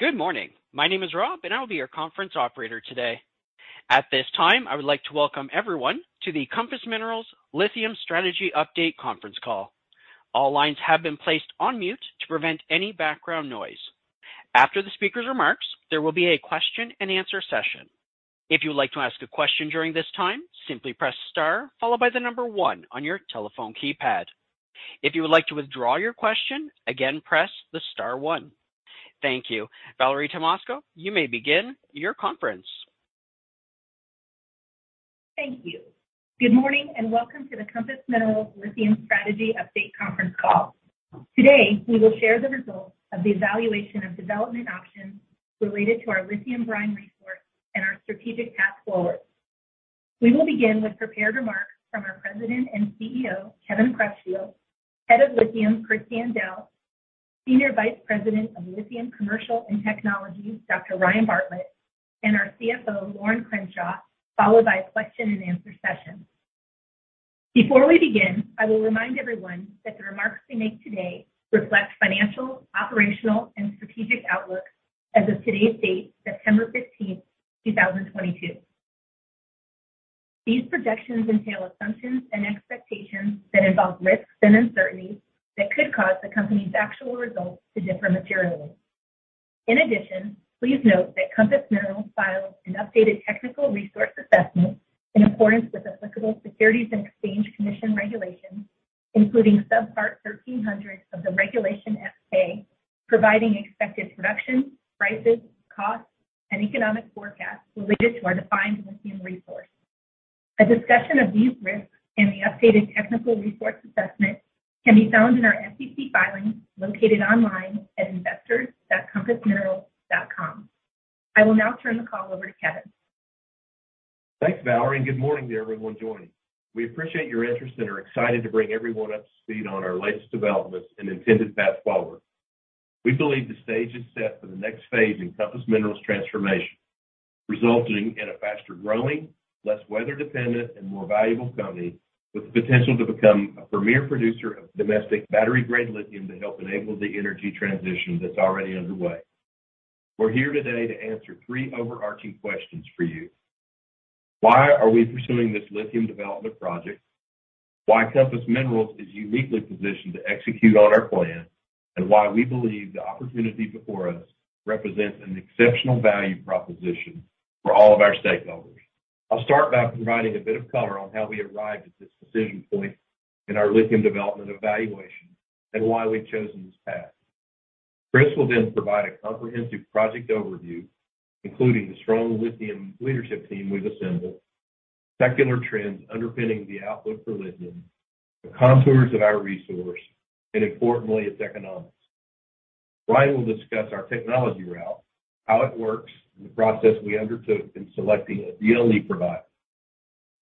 Good morning. My name is Rob, and I will be your conference operator today. At this time, I would like to welcome everyone to the Compass Minerals Lithium Strategy Update conference call. All lines have been placed on mute to prevent any background noise. After the speaker's remarks, there will be a question-and-answer session. If you would like to ask a question during this time, simply press star followed by the number one on your telephone keypad. If you would like to withdraw your question, again, press the star one. Thank you. Valerie Tymosko, you may begin your conference. Thank you. Good morning and welcome to the Compass Minerals Lithium Strategy Update conference call. Today, we will share the results of the evaluation of development options related to our lithium brine resource and our strategic path forward. We will begin with prepared remarks from our President and CEO, Kevin Crutchfield, Head of Lithium, Chris Yandell, Senior Vice President of Lithium Commercial and Technology, Dr. Ryan Bartlett, and our CFO, Lorin Crenshaw, followed by a question-and-answer session. Before we begin, I will remind everyone that the remarks we make today reflect financial, operational, and strategic outlook as of today's date, September fifteenth, two thousand and twenty-two. These projections entail assumptions and expectations that involve risks and uncertainties that could cause the company's actual results to differ materially. In addition, please note that Compass Minerals filed an updated technical resource assessment in accordance with applicable Securities and Exchange Commission regulations, including Subpart 1300 of Regulation S-K, providing expected production, prices, costs, and economic forecasts related to our defined lithium resource. A discussion of these risks in the updated technical resource assessment can be found in our SEC filings located online at investors.compassminerals.com. I will now turn the call over to Kevin. Thanks, Valerie, and good morning to everyone joining. We appreciate your interest and are excited to bring everyone up to speed on our latest developments and intended path forward. We believe the stage is set for the next phase in Compass Minerals transformation, resulting in a faster growing, less weather dependent, and more valuable company with the potential to become a premier producer of domestic battery-grade lithium to help enable the energy transition that's already underway. We're here today to answer three overarching questions for you. Why are we pursuing this lithium development project? Why Compass Minerals is uniquely positioned to execute on our plan, and why we believe the opportunity before us represents an exceptional value proposition for all of our stakeholders. I'll start by providing a bit of color on how we arrived at this decision point in our lithium development evaluation and why we've chosen this path. Chris will then provide a comprehensive project overview, including the strong lithium leadership team we've assembled, secular trends underpinning the outlook for lithium, the contours of our resource, and importantly, its economics. Ryan will discuss our technology route, how it works, and the process we undertook in selecting a DLE provider.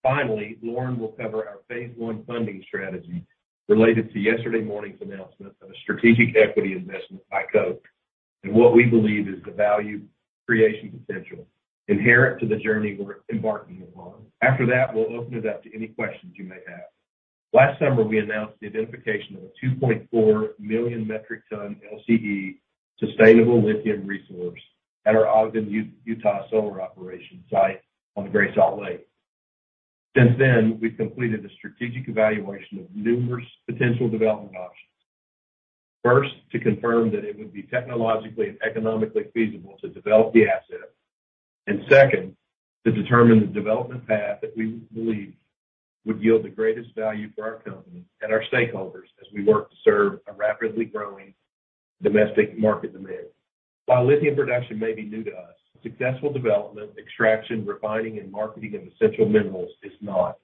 Finally, Lorin will cover our phase one funding strategy related to yesterday morning's announcement of a strategic equity investment by Koch and what we believe is the value creation potential inherent to the journey we're embarking upon. After that, we'll open it up to any questions you may have. Last summer, we announced the identification of a 2.4 million metric ton LCE sustainable lithium resource at our Ogden, Utah solar operation site on the Great Salt Lake. Since then, we've completed a strategic evaluation of numerous potential development options. First, to confirm that it would be technologically and economically feasible to develop the asset. Second, to determine the development path that we believe would yield the greatest value for our company and our stakeholders as we work to serve a rapidly growing domestic market demand. While lithium production may be new to us, successful development, extraction, refining, and marketing of essential minerals is not.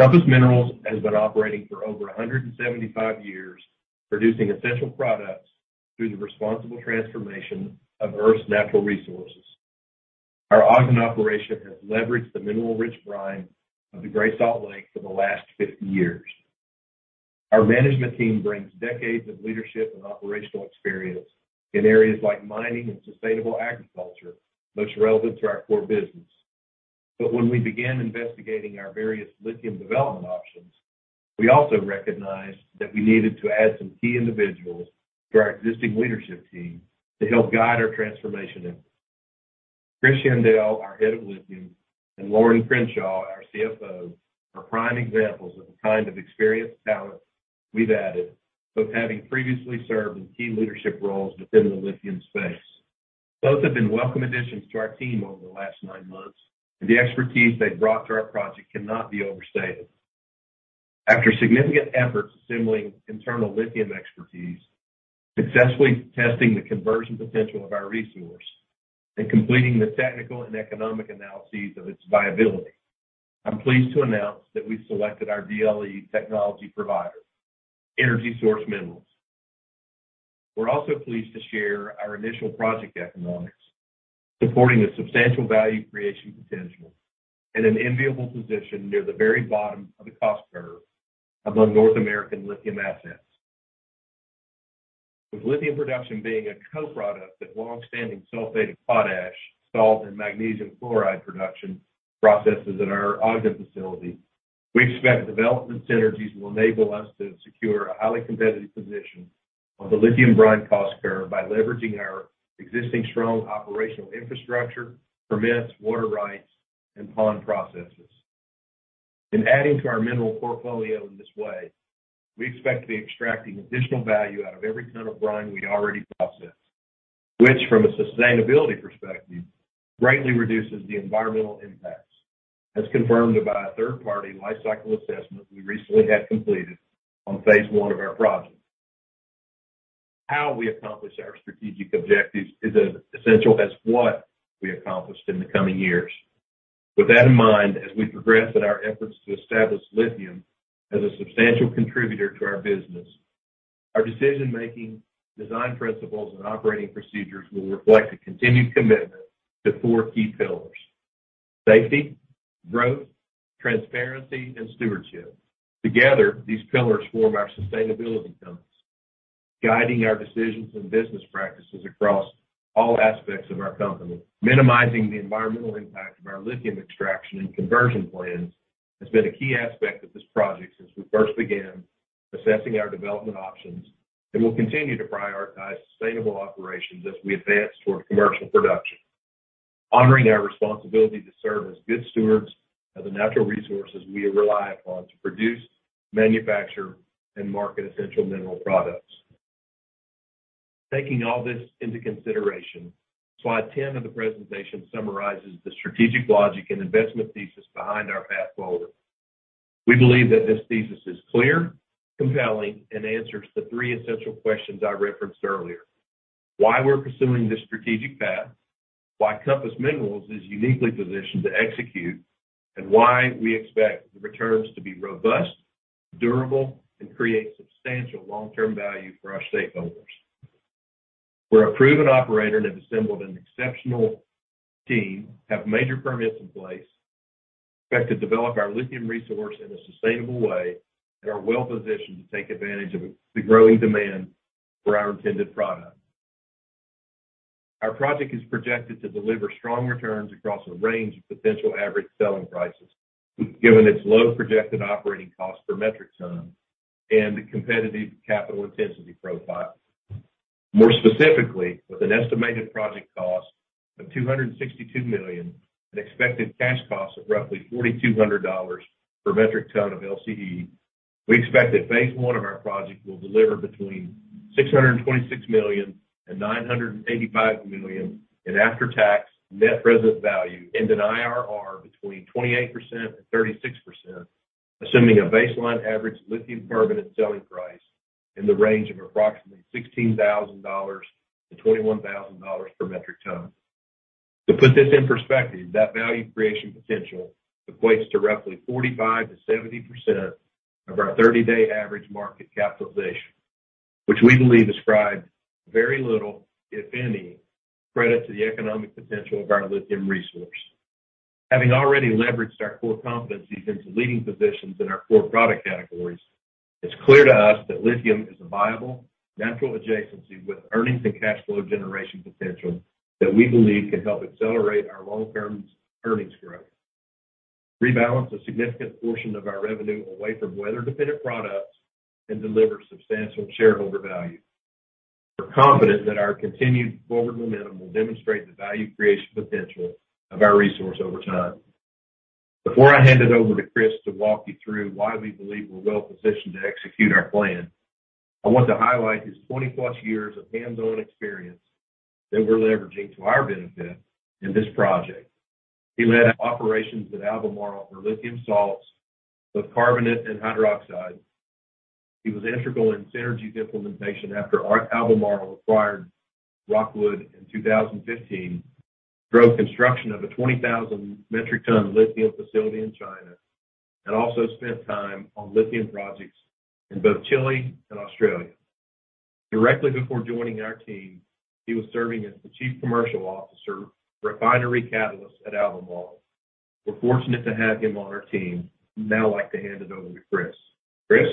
Compass Minerals has been operating for over 175 years, producing essential products through the responsible transformation of Earth's natural resources. Our Ogden operation has leveraged the mineral-rich brine of the Great Salt Lake for the last 50 years. Our management team brings decades of leadership and operational experience in areas like mining and sustainable agriculture, most relevant to our core business. When we began investigating our various lithium development options, we also recognized that we needed to add some key individuals to our existing leadership team to help guide our transformation in. Chris Yandell, our Head of Lithium, and Lorin Crenshaw, our CFO, are prime examples of the kind of experienced talent we've added, both having previously served in key leadership roles within the lithium space. Both have been welcome additions to our team over the last nine months, and the expertise they've brought to our project cannot be overstated. After significant efforts assembling internal lithium expertise, successfully testing the conversion potential of our resource, and completing the technical and economic analyses of its viability, I'm pleased to announce that we've selected our DLE technology provider, EnergySource Minerals. We're also pleased to share our initial project economics, supporting a substantial value creation potential and an enviable position near the very bottom of the cost curve among North American lithium assets. With lithium production being a co-product of longstanding sulfate of potash, salt, and magnesium chloride production processes at our Ogden facility. We expect the development synergies will enable us to secure a highly competitive position on the lithium brine cost curve by leveraging our existing strong operational infrastructure, permits, water rights, and pond processes. In addition to our mineral portfolio in this way, we expect to be extracting additional value out of every ton of brine we already process, which from a sustainability perspective, greatly reduces the environmental impacts, as confirmed by a third-party lifecycle assessment we recently had completed on phase one of our project. How we accomplish our strategic objectives is as essential as what we accomplished in the coming years. With that in mind, as we progress in our efforts to establish lithium as a substantial contributor to our business, our decision-making, design principles, and operating procedures will reflect a continued commitment to four key pillars, safety, growth, transparency, and stewardship. Together, these pillars form our sustainability compass, guiding our decisions and business practices across all aspects of our company. Minimizing the environmental impact of our lithium extraction and conversion plans has been a key aspect of this project since we first began assessing our development options and will continue to prioritize sustainable operations as we advance towards commercial production. Honoring our responsibility to serve as good stewards of the natural resources we rely upon to produce, manufacture, and market essential mineral products. Taking all this into consideration, slide 10 of the presentation summarizes the strategic logic and investment thesis behind our path forward. We believe that this thesis is clear, compelling, and answers the three essential questions I referenced earlier. Why we're pursuing this strategic path, why Compass Minerals is uniquely positioned to execute, and why we expect the returns to be robust, durable, and create substantial long-term value for our stakeholders. We're a proven operator and have assembled an exceptional team, have major permits in place, expect to develop our lithium resource in a sustainable way, and are well-positioned to take advantage of the growing demand for our intended product. Our project is projected to deliver strong returns across a range of potential average selling prices, given its low projected operating cost per metric ton and competitive capital intensity profile. More specifically, with an estimated project cost of $262 million and expected cash costs of roughly $4,200 per metric ton of LCE, we expect that phase one of our project will deliver between $626 million and $985 million in after-tax net present value and an IRR between 28% and 36%, assuming a baseline average lithium carbonate selling price in the range of approximately $16,000-$21,000 per metric ton. To put this in perspective, that value creation potential equates to roughly 45%-70% of our thirty-day average market capitalization, which we believe ascribes very little, if any, credit to the economic potential of our lithium resource. Having already leveraged our core competencies into leading positions in our core product categories, it's clear to us that lithium is a viable natural adjacency with earnings and cash flow generation potential that we believe can help accelerate our long-term earnings growth, rebalance a significant portion of our revenue away from weather-dependent products, and deliver substantial shareholder value. We're confident that our continued forward momentum will demonstrate the value creation potential of our resource over time. Before I hand it over to Chris to walk you through why we believe we're well-positioned to execute our plan, I want to highlight his 20-plus years of hands-on experience that we're leveraging to our benefit in this project. He led operations at Albemarle for lithium salts with carbonate and hydroxide. He was integral in synergies implementation after Albemarle acquired Rockwood in 2015, drove construction of a 20,000-metric-ton lithium facility in China, and also spent time on lithium projects in both Chile and Australia. Directly before joining our team, he was serving as the Chief Commercial Officer, Refinery Catalysts, at Albemarle. We're fortunate to have him on our team. Now I'd like to hand it over to Chris. Chris?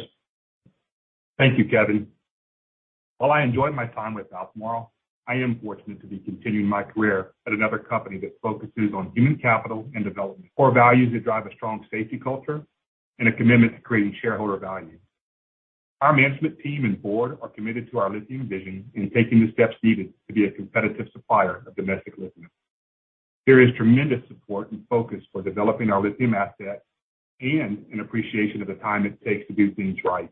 Thank you, Kevin. While I enjoyed my time with Albemarle, I am fortunate to be continuing my career at another company that focuses on human capital and development, core values that drive a strong safety culture and a commitment to creating shareholder value. Our management team and board are committed to our lithium vision in taking the steps needed to be a competitive supplier of domestic lithium. There is tremendous support and focus for developing our lithium assets and an appreciation of the time it takes to do things right.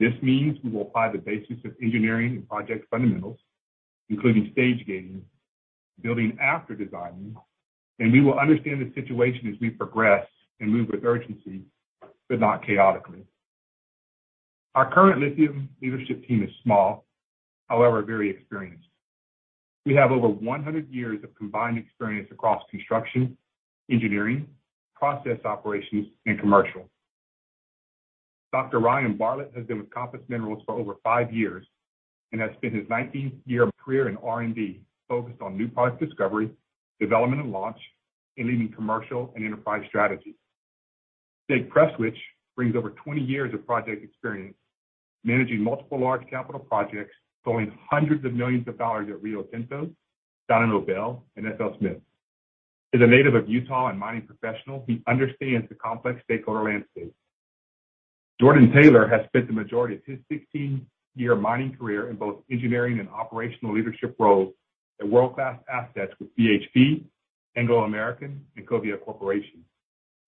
This means we will apply the basics of engineering and project fundamentals, including stage gating, building after designing, and we will understand the situation as we progress and move with urgency, but not chaotically. Our current lithium leadership team is small, however, very experienced. We have over 100 years of combined experience across construction, engineering, process operations, and commercial. Dr. Ryan Bartlett has been with Compass Minerals for over 5 years and has spent his 19th year of career in R&D focused on new product discovery, development and launch, and leading commercial and enterprise strategies. Jake Prestwich brings over 20 years of project experience, managing multiple large capital projects, throwing hundreds of millions of dollars at Rio Tinto, Dyno Nobel, and FLSmidth. As a native of Utah and mining professional, he understands the complex stakeholder landscape. Jordan Taylor has spent the majority of his 16-year mining career in both engineering and operational leadership roles at world-class assets with BHP, Anglo American, and Covia Corporation,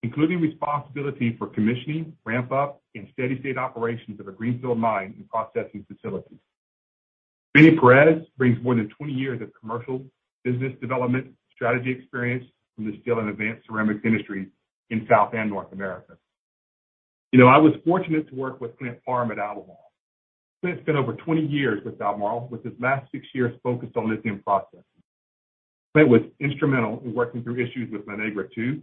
including responsibility for commissioning, ramp up, and steady-state operations of a greenfield mine and processing facilities. Benny Perez brings more than 20 years of commercial business development strategy experience from the steel and advanced ceramics industries in South and North America. You know, I was fortunate to work with Clint Pharm at Albemarle. Clint spent over 20 years with Albemarle, with his last six years focused on lithium processing. Clint was instrumental in working through issues with La Negra II,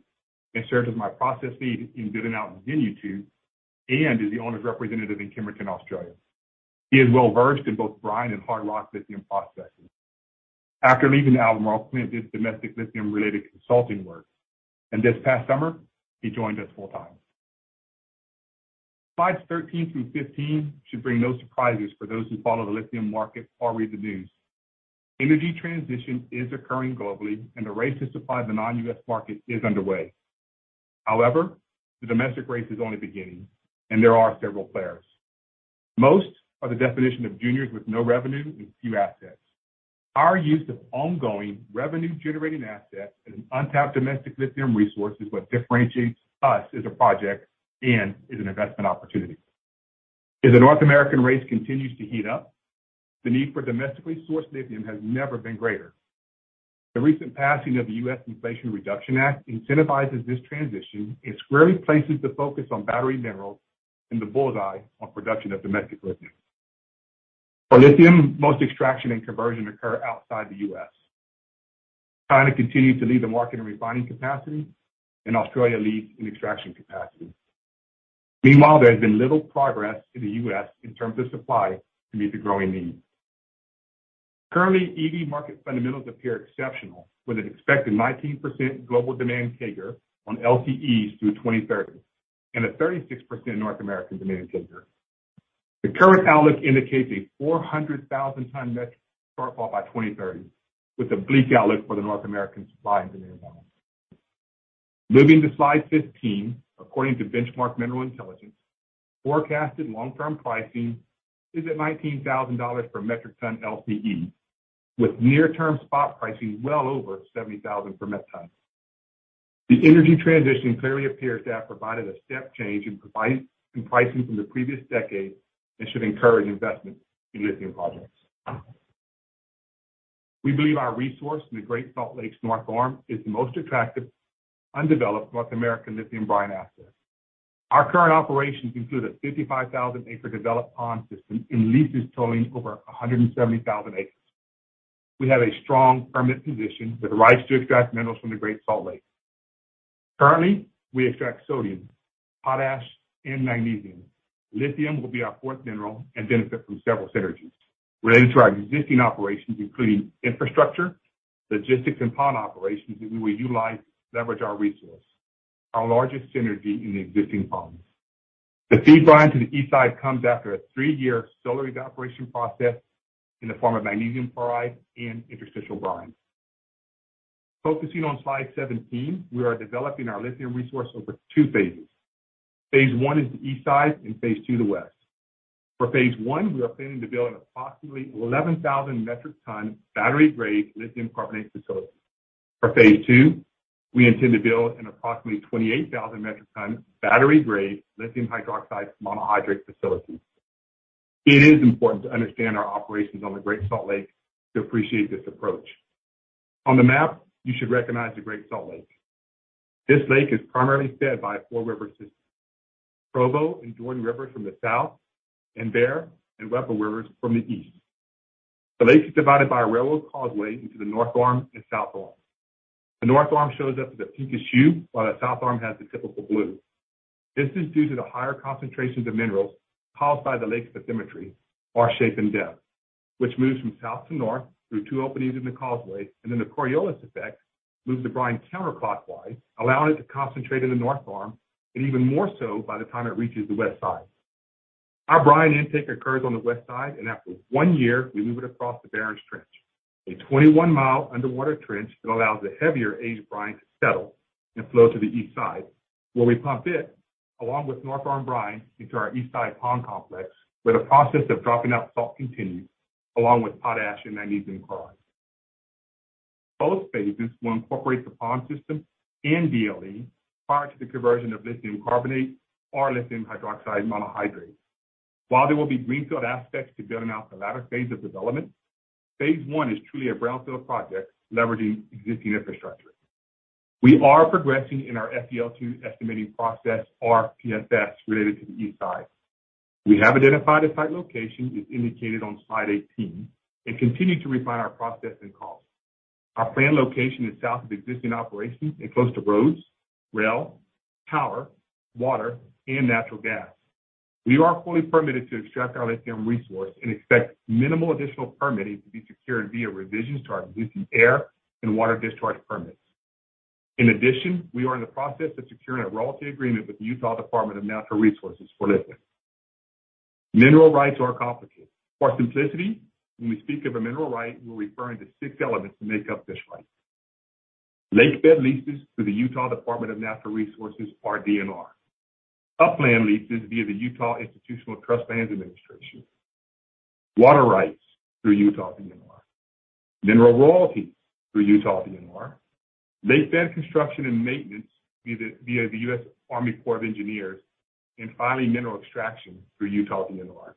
and served as my process lead in building out Xinyu 2, and is the owner's representative in Kemerton, Australia. He is well-versed in both brine and hard rock lithium processes. After leaving Albemarle, Clint did domestic lithium related consulting work, and this past summer he joined us full time. Slides 13 through 15 should bring no surprises for those who follow the lithium market or read the news. Energy transition is occurring globally and the race to supply the non-US market is underway. However, the domestic race is only beginning and there are several players. Most are the definition of juniors with no revenue and few assets. Our use of ongoing revenue generating assets and untapped domestic lithium resource is what differentiates us as a project and as an investment opportunity. As the North American race continues to heat up, the need for domestically sourced lithium has never been greater. The recent passing of the U.S. Inflation Reduction Act incentivizes this transition and squarely places the focus on battery minerals in the bull's-eye on production of domestic lithium. For lithium, most extraction and conversion occur outside the U.S. China continues to lead the market in refining capacity, and Australia leads in extraction capacity. Meanwhile, there has been little progress in the U.S. in terms of supply to meet the growing need. Currently, EV market fundamentals appear exceptional, with an expected 19% global demand CAGR on LCEs through 2030, and a 36% North American demand CAGR. The current outlook indicates a 400,000 metric ton shortfall by 2030, with a bleak outlook for the North American supply and demand balance. Moving to slide 15, according to Benchmark Mineral Intelligence, forecasted long-term pricing is at $19,000 per metric ton LCE, with near-term spot pricing well over $70,000 per metric ton. The energy transition clearly appears to have provided a step change in pricing from the previous decade, and should encourage investment in lithium projects. We believe our resource in the Great Salt Lake's North Arm is the most attractive, undeveloped North American lithium brine asset. Our current operations include a 55,000-acre developed pond system in leases totaling over 170,000 acres. We have a strong permit position that allows to extract minerals from the Great Salt Lake. Currently, we extract sodium, potash, and magnesium. Lithium will be our fourth mineral and benefit from several synergies related to our existing operations, including infrastructure, logistics and pond operations that we will utilize to leverage our resource. Our largest synergy in the existing ponds. The feed brine to the east side comes after a 3-year solar evaporation process in the form of magnesium chloride and interstitial brine. Focusing on slide 17, we are developing our lithium resource over 2 phases. Phase 1 is the east side and Phase 2, the west. For Phase 1, we are planning to build an approximately 11,000-metric-ton battery-grade lithium carbonate facility. For Phase 2, we intend to build an approximately 28,000-metric-ton battery-grade lithium hydroxide monohydrate facility. It is important to understand our operations on the Great Salt Lake to appreciate this approach. On the map, you should recognize the Great Salt Lake. This lake is primarily fed by a four-river system, Provo River and Jordan River from the south, and Bear River and Weber River from the east. The lake is divided by a railroad causeway into the north arm and south arm. The north arm shows up as a pinkish hue, while the south arm has the typical blue. This is due to the higher concentrations of minerals caused by the lake bathymetry or shape and depth, which moves from south to north through two openings in the causeway, and then the Coriolis effect moves the brine counterclockwise, allowing it to concentrate in the north arm, and even more so by the time it reaches the west side. Our brine intake occurs on the west side, and after one year we move it across the barren stretch, a 21-mile underwater trench that allows the heavier aged brine to settle and flow to the east side where we pump it along with north arm brine into our east side pond complex, where the process of dropping out salt continues along with potash and magnesium chloride. Both phases will incorporate the pond system and DLE prior to the conversion of lithium carbonate or lithium hydroxide monohydrate. While there will be greenfield aspects to building out the latter phase of development, phase one is truly a brownfield project leveraging existing infrastructure. We are progressing in our FEL to estimating process or PFS related to the east side. We have identified a site location, as indicated on slide 18, and continue to refine our process and costs. Our planned location is south of existing operations and close to roads, rail, power, water and natural gas. We are fully permitted to extract our lithium resource and expect minimal additional permitting to be secured via revisions to our existing air and water discharge permits. In addition, we are in the process of securing a royalty agreement with the Utah Department of Natural Resources for lithium. Mineral rights are complicated. For simplicity, when we speak of a mineral right, we're referring to six elements that make up this right. Lakebed leases through the Utah Department of Natural Resources or DNR. Upland leases via the Utah School and Institutional Trust Lands Administration. Water rights through Utah DNR. Mineral royalties through Utah DNR. Lakebed construction and maintenance via the US Army Corps of Engineers. Finally, mineral extraction through Utah DNR.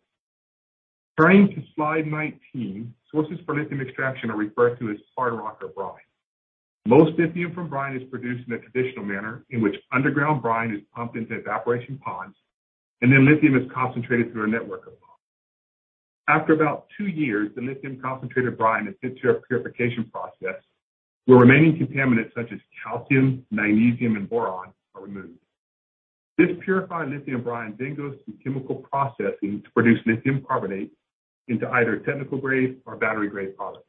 Turning to slide 19, sources for lithium extraction are referred to as hard rock or brine. Most lithium from brine is produced in a traditional manner, in which underground brine is pumped into evaporation ponds, and then lithium is concentrated through a network of ponds. After about two years, the lithium concentrated brine is sent through a purification process, where remaining contaminants such as calcium, magnesium, and boron are removed. This purified lithium brine then goes through chemical processing to produce lithium carbonate into either technical grade or battery grade product.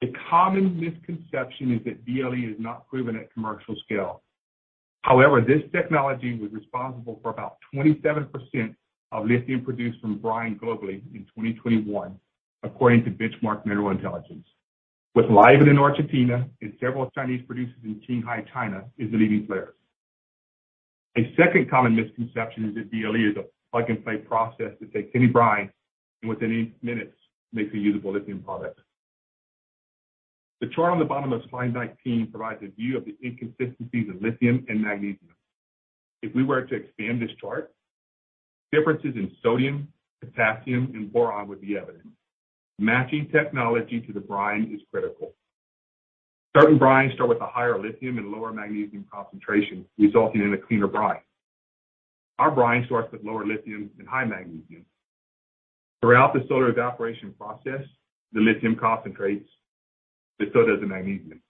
A common misconception is that DLE is not proven at commercial scale. However, this technology was responsible for about 27% of lithium produced from brine globally in 2021, according to Benchmark Mineral Intelligence, with Livent in Argentina and several Chinese producers in Qinghai, China as the leading players. A second common misconception is that DLE is a plug-and-play process that takes any brine and within minutes makes a usable lithium product. The chart on the bottom of slide 19 provides a view of the inconsistencies in lithium and magnesium. If we were to expand this chart, differences in sodium, potassium, and boron would be evident. Matching technology to the brine is critical. Certain brines start with a higher lithium and lower magnesium concentration, resulting in a cleaner brine. Our brine starts with lower lithium and high magnesium. Throughout the solar evaporation process, the lithium concentrates, but so does the magnesium.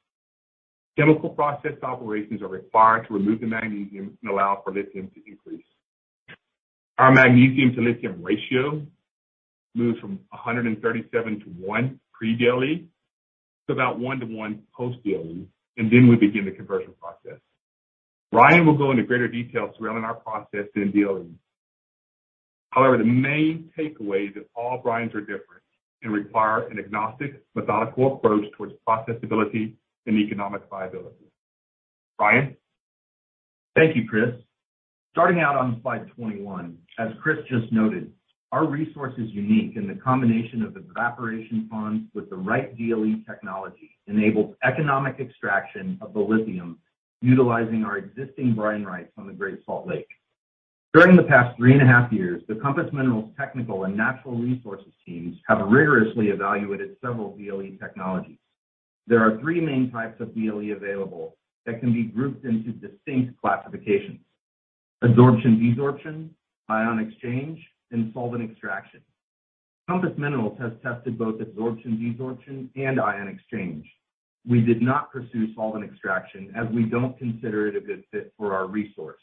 Chemical process operations are required to remove the magnesium and allow for lithium to increase. Our magnesium to lithium ratio moves from 137 to 1 pre-DLE to about 1-to-1 post-DLE, and then we begin the conversion process. Ryan will go into greater detail surrounding our process in DLE. However, the main takeaway that all brines are different and require an agnostic, methodical approach toward processability and economic viability. Ryan. Thank you, Chris. Starting out on slide 21, as Chris just noted, our resource is unique, and the combination of evaporation ponds with the right DLE technology enables economic extraction of the lithium utilizing our existing brine rights on the Great Salt Lake. During the past three and a half years, the Compass Minerals technical and natural resources teams have rigorously evaluated several DLE technologies. There are three main types of DLE available that can be grouped into distinct classifications. Absorption-desorption, ion exchange, and solvent extraction. Compass Minerals has tested both absorption-desorption and ion exchange. We did not pursue solvent extraction as we don't consider it a good fit for our resource.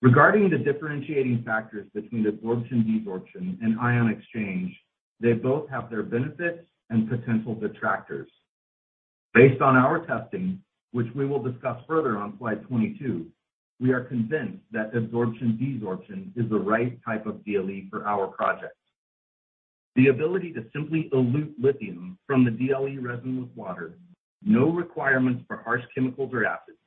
Regarding the differentiating factors between absorption-desorption and ion exchange, they both have their benefits and potential detractors. Based on our testing, which we will discuss further on slide 22, we are convinced that adsorption-desorption is the right type of DLE for our projects. The ability to simply elute lithium from the DLE resin with water, no requirements for harsh chemicals or acids,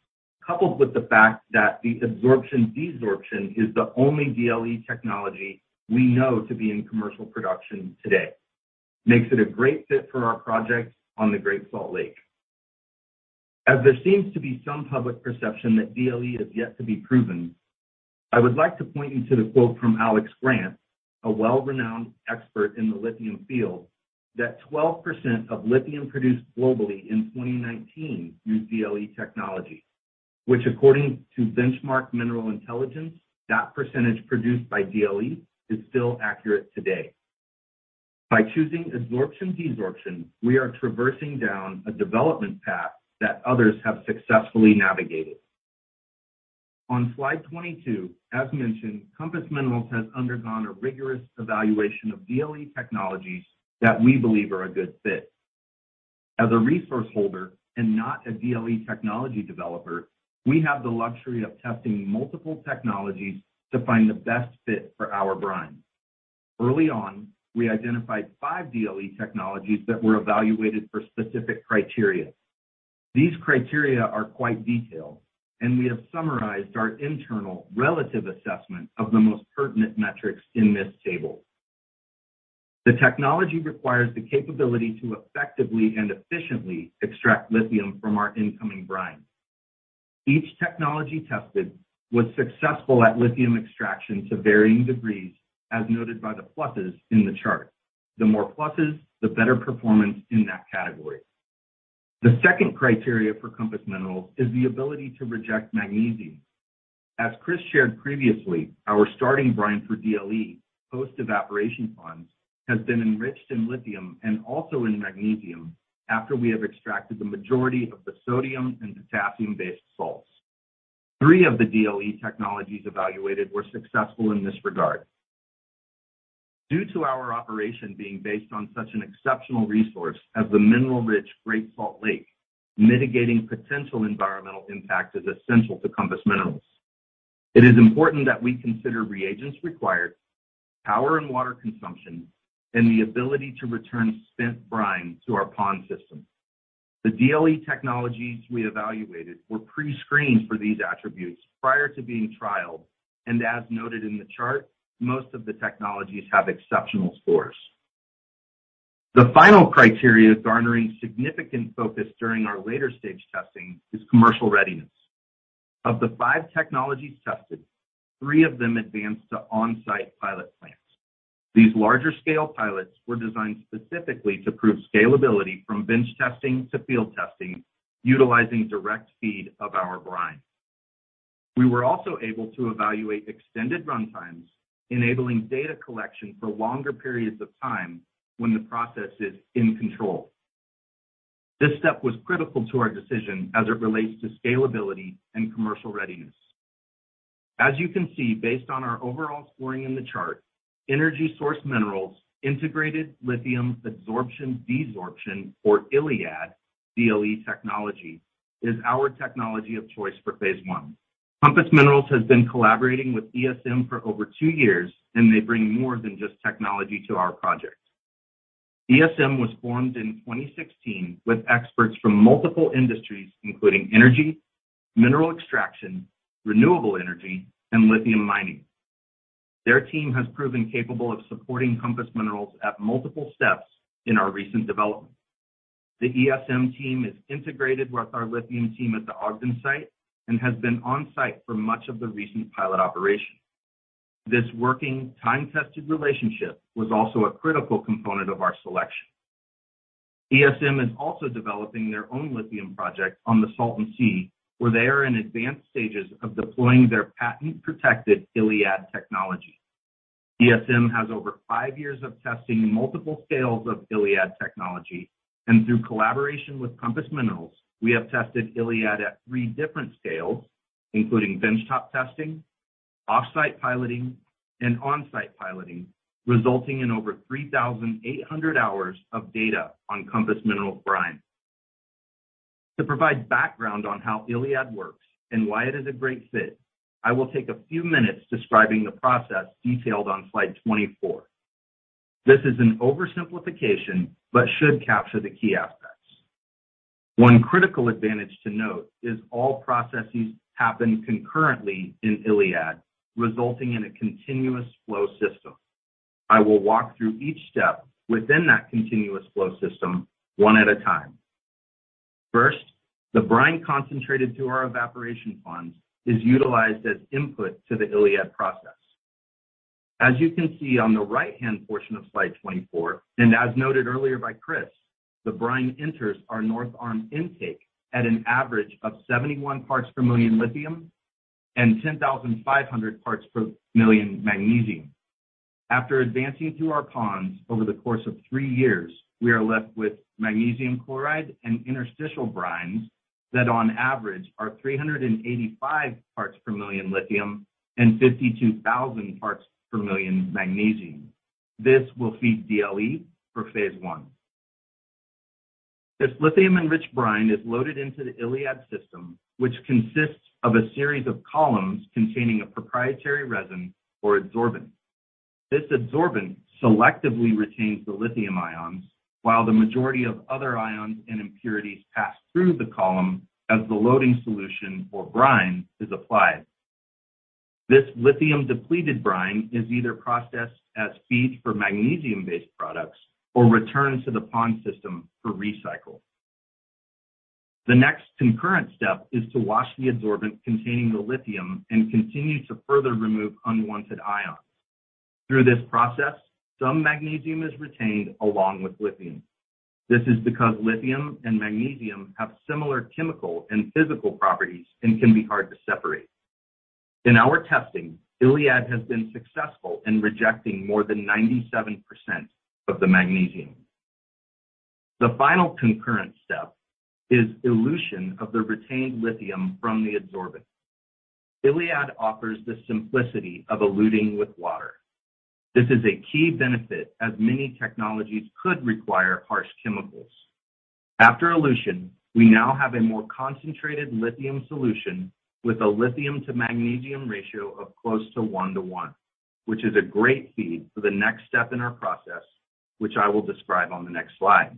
coupled with the fact that the adsorption-desorption is the only DLE technology we know to be in commercial production today, makes it a great fit for our projects on the Great Salt Lake. As there seems to be some public perception that DLE is yet to be proven, I would like to point you to the quote from Alex Grant, a well-renowned expert in the lithium field, that 12% of lithium produced globally in 2019 used DLE technology, which according to Benchmark Mineral Intelligence, that percentage produced by DLE is still accurate today. By choosing adsorption-desorption, we are traversing down a development path that others have successfully navigated. On slide 22, as mentioned, Compass Minerals has undergone a rigorous evaluation of DLE technologies that we believe are a good fit. As a resource holder and not a DLE technology developer, we have the luxury of testing multiple technologies to find the best fit for our brine. Early on, we identified five DLE technologies that were evaluated for specific criteria. These criteria are quite detailed, and we have summarized our internal relative assessment of the most pertinent metrics in this table. The technology requires the capability to effectively and efficiently extract lithium from our incoming brine. Each technology tested was successful at lithium extraction to varying degrees, as noted by the pluses in the chart. The second criteria for Compass Minerals is the ability to reject magnesium. As Chris shared previously, our starting brine for DLE post evaporation ponds has been enriched in lithium and also in magnesium after we have extracted the majority of the sodium and potassium-based salts. Three of the DLE technologies evaluated were successful in this regard. Due to our operation being based on such an exceptional resource as the mineral-rich Great Salt Lake, mitigating potential environmental impact is essential to Compass Minerals. It is important that we consider reagents required, power and water consumption, and the ability to return spent brine to our pond system. The DLE technologies we evaluated were pre-screened for these attributes prior to being trialed. As noted in the chart, most of the technologies have exceptional scores. The final criteria garnering significant focus during our later stage testing is commercial readiness. Of the five technologies tested, three of them advanced to on-site pilot plants. These larger scale pilots were designed specifically to prove scalability from bench testing to field testing, utilizing direct feed of our brine. We were also able to evaluate extended run times, enabling data collection for longer periods of time when the process is in control. This step was critical to our decision as it relates to scalability and commercial readiness. As you can see, based on our overall scoring in the chart, EnergySource Minerals' Integrated Lithium Adsorption Desorption, or ILiAD DLE technology is our technology of choice for phase one. Compass Minerals has been collaborating with ESM for over two years, and they bring more than just technology to our project. ESM was formed in 2016 with experts from multiple industries, including energy, mineral extraction, renewable energy, and lithium mining. Their team has proven capable of supporting Compass Minerals at multiple steps in our recent development. The ESM team is integrated with our lithium team at the Ogden site and has been on site for much of the recent pilot operation. This working time-tested relationship was also a critical component of our selection. ESM is also developing their own lithium project on the Salton Sea, where they are in advanced stages of deploying their patent-protected ILiAD technology. ESM has over five years of testing multiple scales of ILiAD technology, and through collaboration with Compass Minerals, we have tested ILiAD at three different scales, including benchtop testing, off-site piloting, and on-site piloting, resulting in over 3,800 hours of data on Compass Minerals brine. To provide background on how ILiAD works and why it is a great fit, I will take a few minutes describing the process detailed on slide 24. This is an oversimplification, but should capture the key aspects. One critical advantage to note is all processes happen concurrently in ILiAD, resulting in a continuous flow system. I will walk through each step within that continuous flow system one at a time. First, the brine concentrated to our evaporation ponds is utilized as input to the ILiAD process. As you can see on the right-hand portion of slide 24, and as noted earlier by Chris, the brine enters our North Arm intake at an average of 71 parts per million lithium and 10,500 parts per million magnesium. After advancing through our ponds over the course of three years, we are left with magnesium chloride and interstitial brines that on average are 385 parts per million lithium and 52,000 parts per million magnesium. This will feed DLE for phase one. This lithium-enriched brine is loaded into the ILiAD system, which consists of a series of columns containing a proprietary resin or adsorbent. This adsorbent selectively retains the lithium ions while the majority of other ions and impurities pass through the column as the loading solution or brine is applied. This lithium depleted brine is either processed as feed for magnesium-based products or returned to the pond system for recycle. The next concurrent step is to wash the adsorbent containing the lithium and continue to further remove unwanted ions. Through this process, some magnesium is retained along with lithium. This is because lithium and magnesium have similar chemical and physical properties and can be hard to separate. In our testing, ILiAD has been successful in rejecting more than 97% of the magnesium. The final concurrent step is elution of the retained lithium from the adsorbent. ILiAD offers the simplicity of eluting with water. This is a key benefit as many technologies could require harsh chemicals. After elution, we now have a more concentrated lithium solution with a lithium to magnesium ratio of close to 1:1, which is a great feed for the next step in our process, which I will describe on the next slide.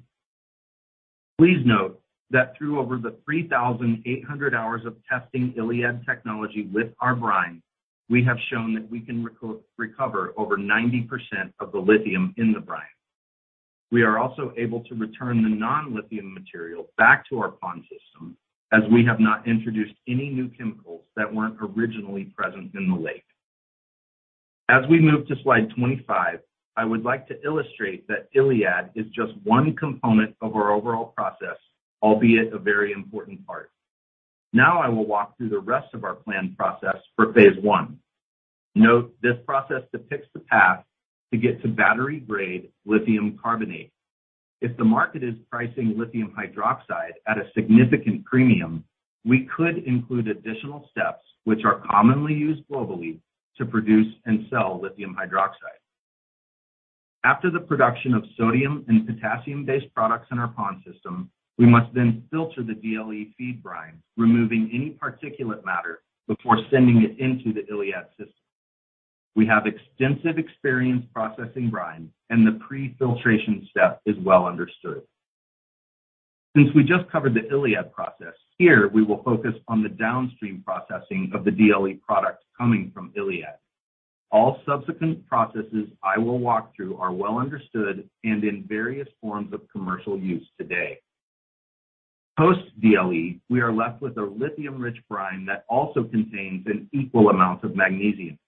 Please note that through over 3,800 hours of testing ILiAD technology with our brine, we have shown that we can recover over 90% of the lithium in the brine. We are also able to return the non-lithium material back to our pond system as we have not introduced any new chemicals that weren't originally present in the lake. As we move to slide 25, I would like to illustrate that ILiAD is just one component of our overall process, albeit a very important part. Now I will walk through the rest of our planned process for phase one. Note this process depicts the path to get to battery-grade lithium carbonate. If the market is pricing lithium hydroxide at a significant premium, we could include additional steps which are commonly used globally to produce and sell lithium hydroxide. After the production of sodium and potassium-based products in our pond system, we must then filter the DLE feed brine, removing any particulate matter before sending it into the ILiAD system. We have extensive experience processing brine, and the pre-filtration step is well understood. Since we just covered the ILiAD process, here we will focus on the downstream processing of the DLE product coming from ILiAD. All subsequent processes I will walk through are well understood and in various forms of commercial use today. Post DLE, we are left with a lithium-rich brine that also contains an equal amount of magnesium.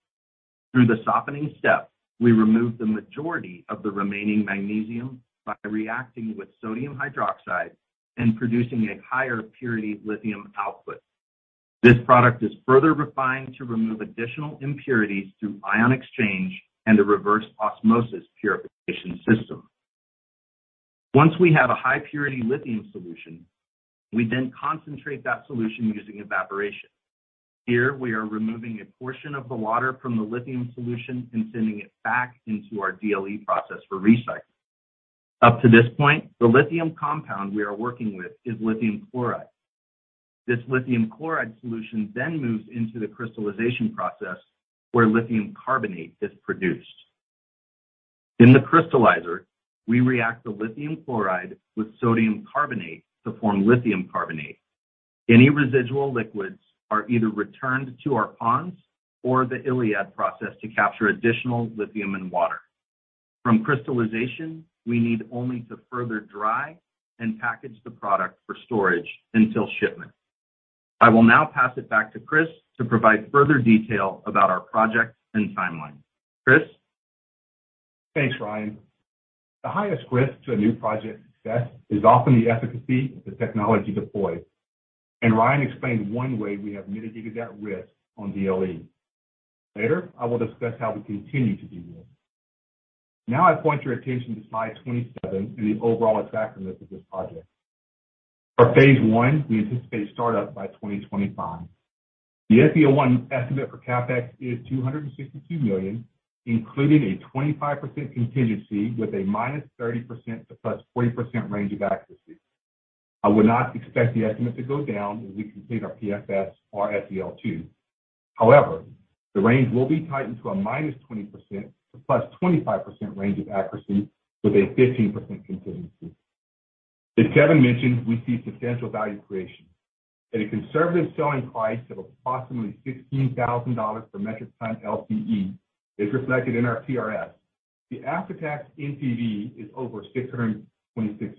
Through the softening step, we remove the majority of the remaining magnesium by reacting with sodium hydroxide and producing a higher purity lithium output. This product is further refined to remove additional impurities through ion exchange and a reverse osmosis purification system. Once we have a high purity lithium solution, we then concentrate that solution using evaporation. Here we are removing a portion of the water from the lithium solution and sending it back into our DLE process for recycling. Up to this point, the lithium compound we are working with is lithium chloride. This lithium chloride solution then moves into the crystallization process where lithium carbonate is produced. In the crystallizer, we react the lithium chloride with sodium carbonate to form lithium carbonate. Any residual liquids are either returned to our ponds or the ILiAD process to capture additional lithium and water. From crystallization, we need only to further dry and package the product for storage until shipment. I will now pass it back to Chris to provide further detail about our project and timeline. Chris? Thanks, Ryan. The highest risk to a new project success is often the efficacy of the technology deployed, and Ryan explained one way we have mitigated that risk on DLE. Later, I will discuss how we continue to do this. Now I point your attention to slide 27 and the overall attractiveness of this project. For phase one, we anticipate startup by 2025. The FEL-1 estimate for CapEx is $262 million, including a 25% contingency with a -30% to +40% range of accuracy. I would not expect the estimate to go down as we complete our PFS or FEL-2. However, the range will be tightened to a -20% to +25% range of accuracy with a 15% contingency. As Kevin mentioned, we see substantial value creation. At a conservative selling price of approximately $16,000 per metric ton LCE is reflected in our PRS. The after-tax NPV is over $626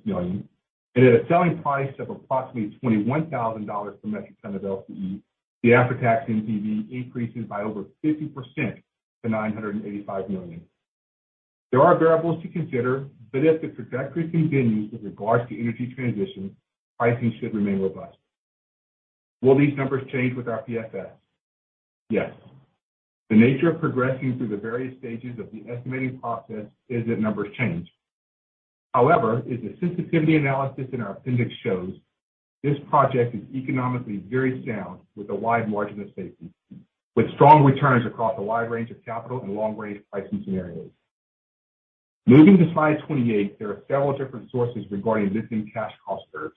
million, and at a selling price of approximately $21,000 per metric ton of LCE, the after-tax NPV increases by over 50% to $985 million. There are variables to consider, but if the trajectory continues with regards to energy transition, pricing should remain robust. Will these numbers change with our PFS? Yes. The nature of progressing through the various stages of the estimating process is that numbers change. However, as the sensitivity analysis in our appendix shows, this project is economically very sound with a wide margin of safety, with strong returns across a wide range of capital and long-range pricing scenarios. Moving to slide 28, there are several different sources regarding lithium cash cost curves.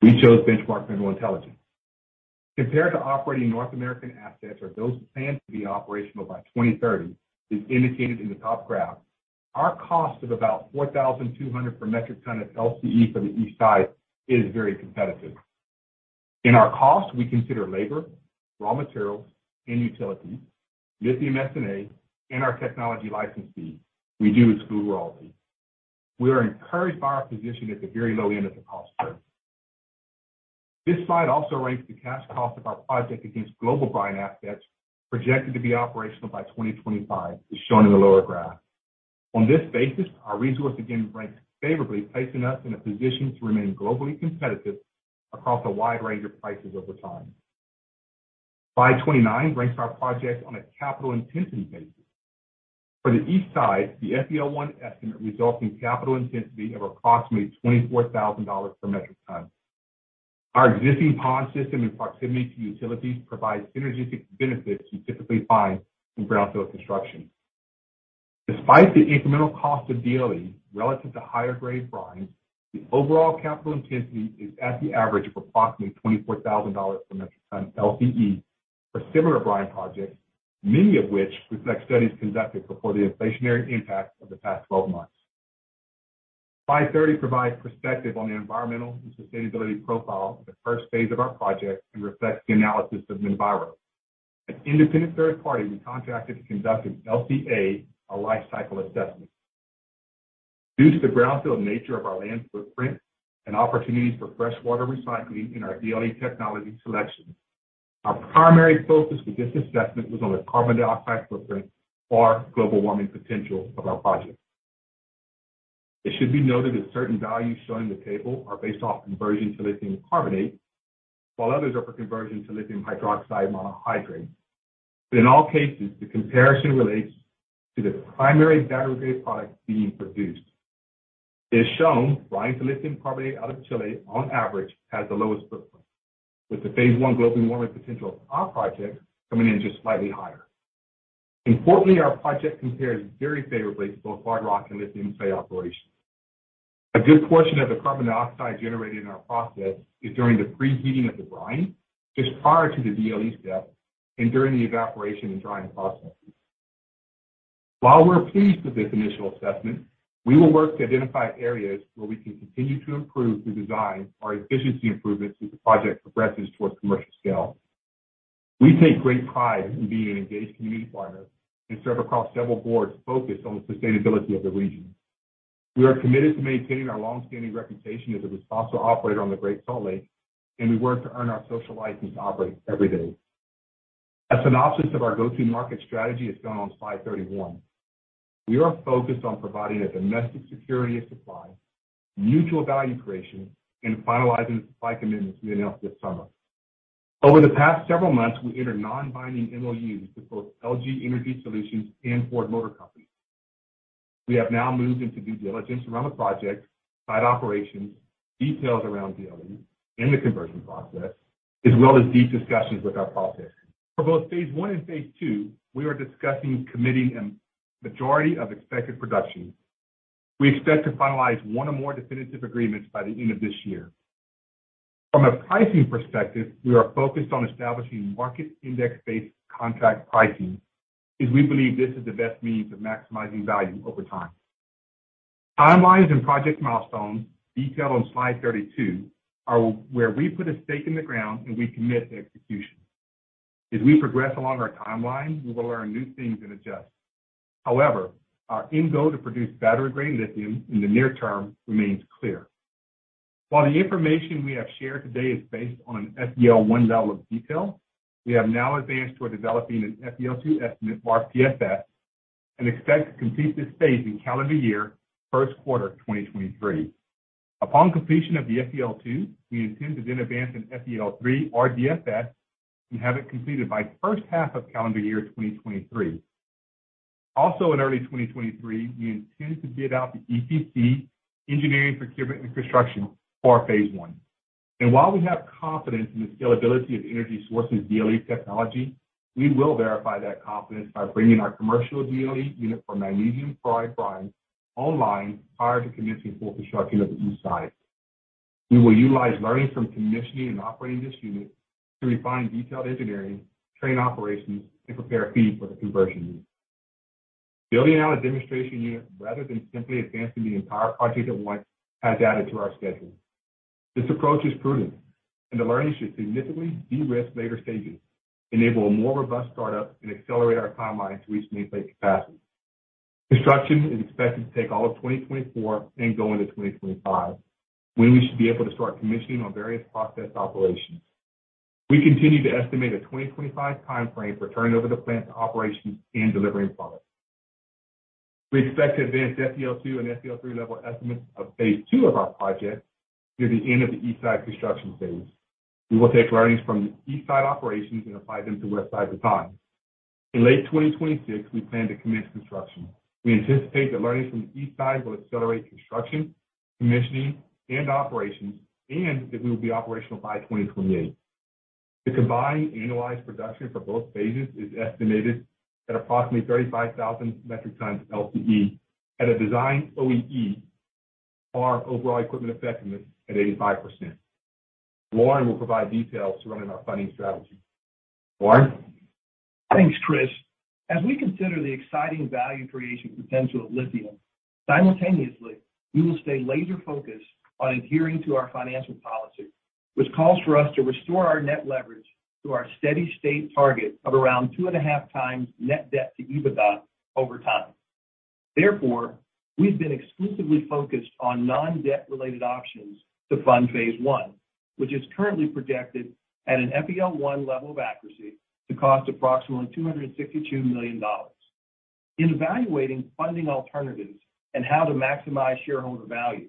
We chose Benchmark Mineral Intelligence. Compared to operating North American assets or those planned to be operational by 2030, as indicated in the top graph, our cost of about $4,200 per metric ton of LCE for the East side is very competitive. In our cost, we consider labor, raw materials and utilities, lithium SG&A, and our technology license fee reduced through royalty. We are encouraged by our position at the very low end of the cost curve. This slide also ranks the cash cost of our project against global brine assets projected to be operational by 2025, as shown in the lower graph. On this basis, our resource again ranks favorably, placing us in a position to remain globally competitive across a wide range of prices over time. Slide 29 ranks our project on a capital intensity basis. For the East side, the FEL-1 estimate results in capital intensity of approximately $24,000 per metric ton. Our existing pond system and proximity to utilities provides synergistic benefits you typically find in greenfield construction. Despite the incremental cost of DLE relative to higher grade brine, the overall capital intensity is at the average of approximately $24,000 per metric ton LCE for similar brine projects, many of which reflect studies conducted before the inflationary impact of the past 12 months. Slide 30 provides perspective on the environmental and sustainability profile of the first phase of our project and reflects the analysis of Minviro, an independent third party we contracted to conduct an LCA, a life cycle assessment. Due to the greenfield nature of our land footprint and opportunities for fresh water recycling in our DLE technology selection, our primary focus for this assessment was on the carbon dioxide footprint or global warming potential of our project. It should be noted that certain values shown in the table are based off conversion to lithium carbonate. While others are for conversion to lithium hydroxide monohydrate. In all cases, the comparison relates to the primary battery grade product being produced. As shown, brine to lithium carbonate out of Chile on average has the lowest footprint, with the phase one global warming potential of our project coming in just slightly higher. Importantly, our project compares very favorably to both hard rock and lithium clay operations. A good portion of the carbon dioxide generated in our process is during the preheating of the brine just prior to the DLE step and during the evaporation and drying processes. While we're pleased with this initial assessment, we will work to identify areas where we can continue to improve the design or efficiency improvements as the project progresses towards commercial scale. We take great pride in being an engaged community partner and serve across several boards focused on the sustainability of the region. We are committed to maintaining our long-standing reputation as a responsible operator on the Great Salt Lake, and we work to earn our social license to operate every day. A synopsis of our go-to-market strategy is shown on slide 31. We are focused on providing a domestic security of supply, mutual value creation, and finalizing supply commitments we announced this summer. Over the past several months, we entered non-binding MOUs with both LG Energy Solution and Ford Motor Company. We have now moved into due diligence around the project, site operations, details around DLE and the conversion process, as well as deep discussions with our partners. For both phase one and phase two, we are discussing committing a majority of expected production. We expect to finalize one or more definitive agreements by the end of this year. From a pricing perspective, we are focused on establishing market index-based contract pricing, as we believe this is the best means of maximizing value over time. Timelines and project milestones detailed on slide 32 are where we put a stake in the ground and we commit to execution. As we progress along our timeline, we will learn new things and adjust. However, our end goal to produce battery-grade lithium in the near term remains clear. While the information we have shared today is based on an FEL level of detail, we have now advanced toward developing an FEL 2 estimate or PFS, and expect to complete this phase in calendar year first quarter 2023. Upon completion of the FEL 2, we intend to then advance an FEL 3 or DFS and have it completed by first half of calendar year 2023. Also in early 2023, we intend to bid out the EPC engineering procurement construction for our phase 1. While we have confidence in the scalability of EnergySource Minerals' DLE technology, we will verify that confidence by bringing our commercial DLE unit for magnesium chloride brine online prior to commencing full construction of the east side. We will utilize learnings from commissioning and operating this unit to refine detailed engineering, train operations, and prepare a feed for the conversion unit. Building out a demonstration unit rather than simply advancing the entire project at once has added to our schedule. This approach is prudent, and the learnings should significantly de-risk later stages, enable a more robust startup, and accelerate our timeline to reach nameplate capacity. Construction is expected to take all of 2024 and go into 2025, when we should be able to start commissioning on various process operations. We continue to estimate a 2025 timeframe for turning over the plant to operations and delivering product. We expect to advance FEL 2 and FEL 3 level estimates of phase 2 of our project through the end of the east side construction phase. We will take learnings from east side operations and apply them to west side design. In late 2026, we plan to commence construction. We anticipate that learnings from the east side will accelerate construction, commissioning, and operations, and that we will be operational by 2028. The combined annualized production for both phases is estimated at approximately 35,000 metric tons LCE at a design OEE or overall equipment effectiveness at 85%. Lorin will provide details surrounding our funding strategy. Lorin? Thanks, Chris. As we consider the exciting value creation potential of lithium, simultaneously, we will stay laser focused on adhering to our financial policy, which calls for us to restore our net leverage to our steady-state target of around 2.5 times net debt to EBITDA over time. Therefore, we've been exclusively focused on non-debt related options to fund phase one, which is currently projected at an FEL one level of accuracy to cost approximately $262 million. In evaluating funding alternatives and how to maximize shareholder value,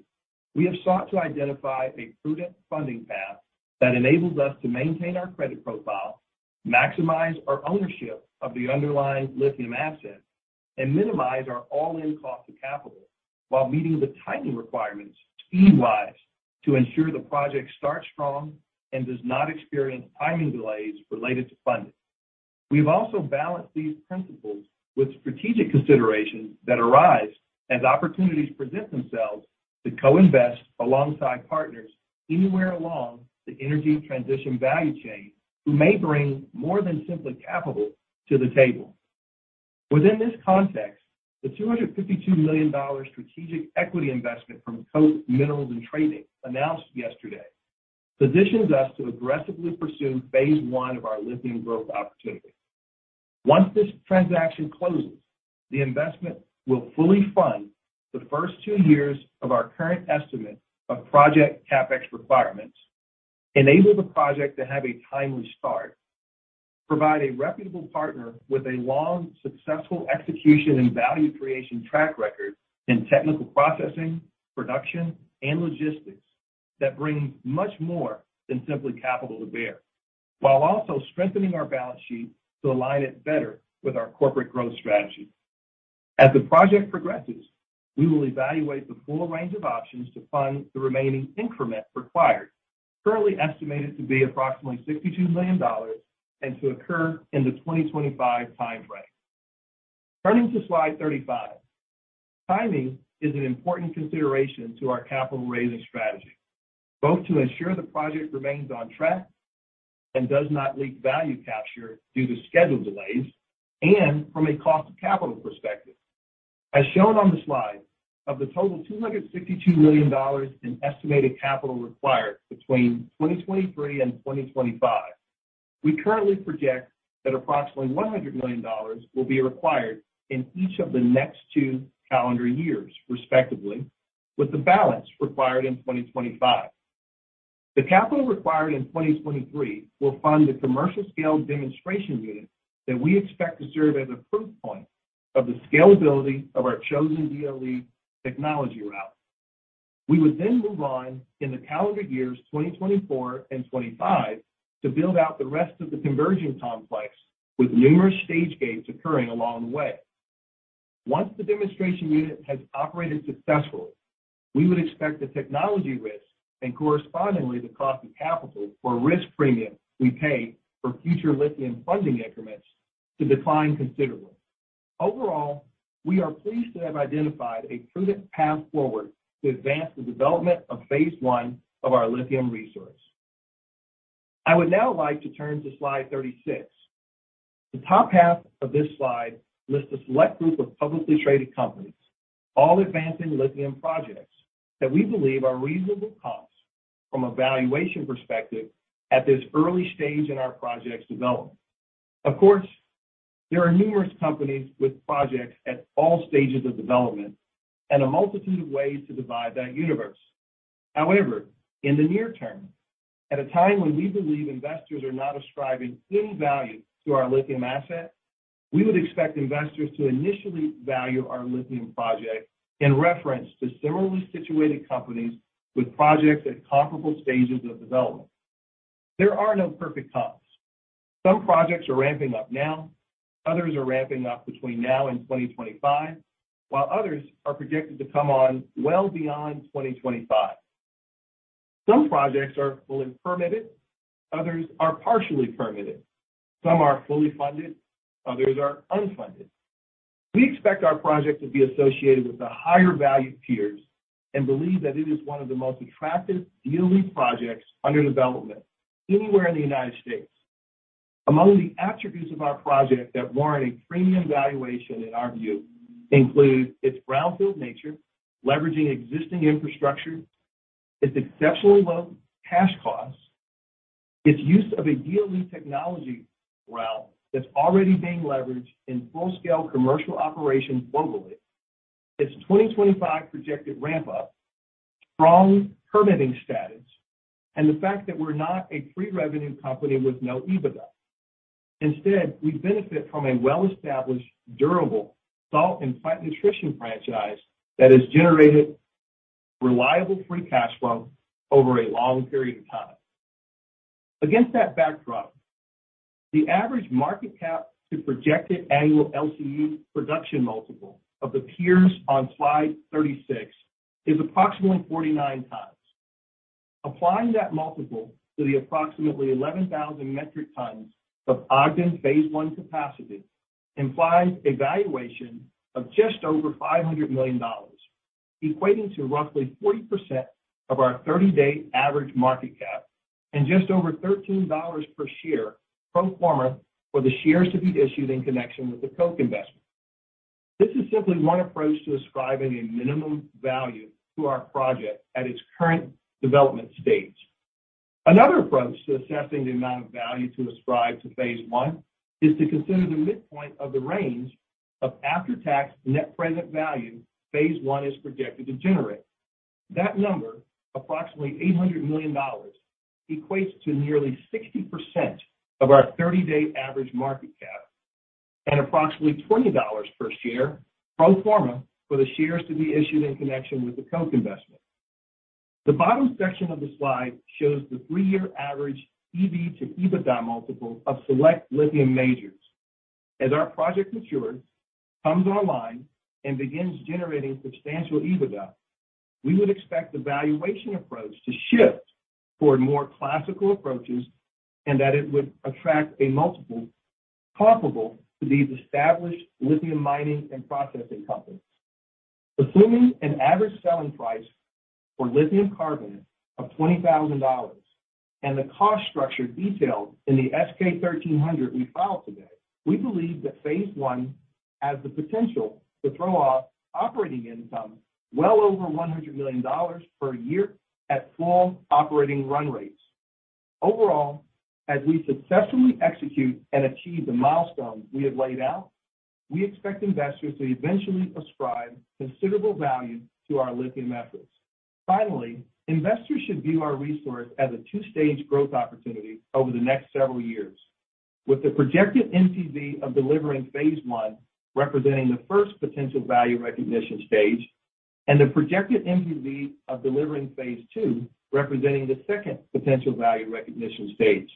we have sought to identify a prudent funding path that enables us to maintain our credit profile, maximize our ownership of the underlying lithium assets, and minimize our all-in cost of capital while meeting the timing requirements speed-wise to ensure the project starts strong and does not experience timing delays related to funding. We've also balanced these principles with strategic considerations that arise as opportunities present themselves to co-invest alongside partners anywhere along the energy transition value chain who may bring more than simply capital to the table. Within this context, the $252 million strategic equity investment from Koch Minerals & Trading announced yesterday positions us to aggressively pursue phase one of our lithium growth opportunity. Once this transaction closes, the investment will fully fund the first two years of our current estimate of project CapEx requirements, enable the project to have a timely start, provide a reputable partner with a long successful execution and value creation track record in technical processing, production, and logistics that brings much more than simply capital to bear, while also strengthening our balance sheet to align it better with our corporate growth strategy. As the project progresses, we will evaluate the full range of options to fund the remaining increment required, currently estimated to be approximately $62 million and to occur in the 2025 time frame. Turning to slide 35. Timing is an important consideration to our capital raising strategy, both to ensure the project remains on track and does not leak value capture due to schedule delays and from a cost of capital perspective. As shown on the slide, of the total $262 million in estimated capital required between 2023 and 2025, we currently project that approximately $100 million will be required in each of the next two calendar years, respectively, with the balance required in 2025. The capital required in 2023 will fund the commercial scale demonstration unit that we expect to serve as a proof point of the scalability of our chosen DLE technology route. We would then move on in the calendar years 2024 and 2025 to build out the rest of the conversion complex with numerous stage gates occurring along the way. Once the demonstration unit has operated successfully, we would expect the technology risk and correspondingly the cost of capital or risk premium we pay for future lithium funding increments to decline considerably. Overall, we are pleased to have identified a prudent path forward to advance the development of phase one of our lithium resource. I would now like to turn to slide 36. The top half of this slide lists a select group of publicly traded companies, all advancing lithium projects that we believe are reasonable comps from a valuation perspective at this early stage in our project's development. Of course, there are numerous companies with projects at all stages of development and a multitude of ways to divide that universe. However, in the near term, at a time when we believe investors are not ascribing any value to our lithium asset, we would expect investors to initially value our lithium project in reference to similarly situated companies with projects at comparable stages of development. There are no perfect comps. Some projects are ramping up now, others are ramping up between now and 2025, while others are projected to come on well beyond 2025. Some projects are fully permitted, others are partially permitted. Some are fully funded, others are unfunded. We expect our project to be associated with the higher value peers and believe that it is one of the most attractive DLE projects under development anywhere in the United States. Among the attributes of our project that warrant a premium valuation in our view include its brownfield nature, leveraging existing infrastructure, its exceptionally low cash costs, its use of a DLE technology route that's already being leveraged in full-scale commercial operations globally, its 2025 projected ramp up, strong permitting status, and the fact that we're not a pre-revenue company with no EBITDA. Instead, we benefit from a well-established, durable salt and plant nutrition franchise that has generated reliable free cash flow over a long period of time. Against that backdrop, the average market cap to projected annual LCE production multiple of the peers on slide 36 is approximately 49x. Applying that multiple to the approximately 11,000 metric tons of Ogden phase one capacity implies a valuation of just over $500 million, equating to roughly 40% of our 30-day average market cap and just over $13 per share pro forma for the shares to be issued in connection with the Koch investment. This is simply one approach to ascribing a minimum value to our project at its current development stage. Another approach to assessing the amount of value to ascribe to phase one is to consider the midpoint of the range of after-tax net present value phase one is projected to generate. That number, approximately $800 million, equates to nearly 60% of our 30-day average market cap and approximately $20 per share pro forma for the shares to be issued in connection with the Koch investment. The bottom section of the slide shows the three-year average EV to EBITDA multiple of select lithium majors. As our project matures, comes online, and begins generating substantial EBITDA, we would expect the valuation approach to shift toward more classical approaches and that it would attract a multiple comparable to these established lithium mining and processing companies. Assuming an average selling price for lithium carbonate of $20,000 and the cost structure detailed in the SK-1300 we filed today, we believe that phase one has the potential to throw off operating income well over $100 million per year at full operating run rates. Overall, as we successfully execute and achieve the milestones we have laid out. We expect investors to eventually ascribe considerable value to our lithium methods. Finally, investors should view our resource as a two-stage growth opportunity over the next several years. With the projected NPV of delivering phase one representing the first potential value recognition stage and the projected NPV of delivering phase two representing the second potential value recognition stage.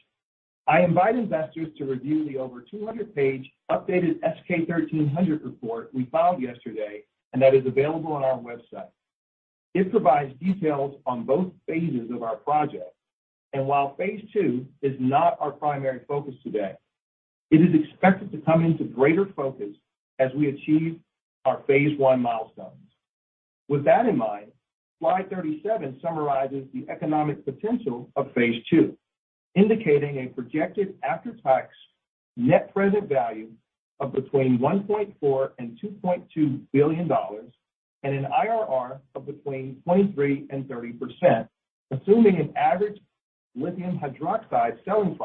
I invite investors to review the over 200-page updated SK-1300 report we filed yesterday and that is available on our website. It provides details on both phases of our project. While phase two is not our primary focus today, it is expected to come into greater focus as we achieve our phase one milestones. With that in mind, slide 37 summarizes the economic potential of phase two, indicating a projected after-tax net present value of between $1.4 billion and $2.2 billion and an IRR of between 23% and 30%, assuming an average lithium hydroxide selling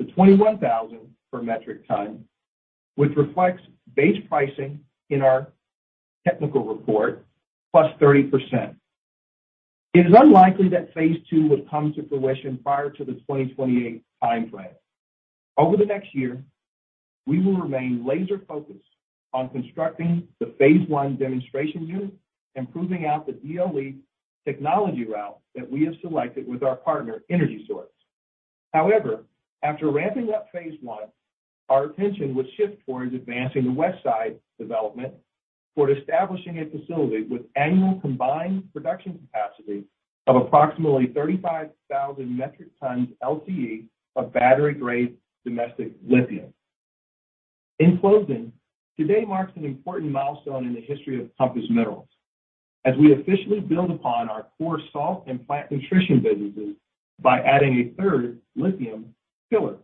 price in the range of approximately $17,000 per metric ton to $21,000 per metric ton, which reflects base pricing in our technical report +30%. It is unlikely that phase two would come to fruition prior to the 2028 time frame. Over the next year, we will remain laser focused on constructing the phase one demonstration unit and proving out the DLE technology route that we have selected with our partner, EnergySource Minerals. However, after ramping up phase one, our attention would shift towards advancing the west side development for establishing a facility with annual combined production capacity of approximately 35,000 metric tons LCE of battery-grade domestic lithium. In closing, today marks an important milestone in the history of Compass Minerals as we officially build upon our core salt and plant nutrition businesses by adding a third lithium pillar.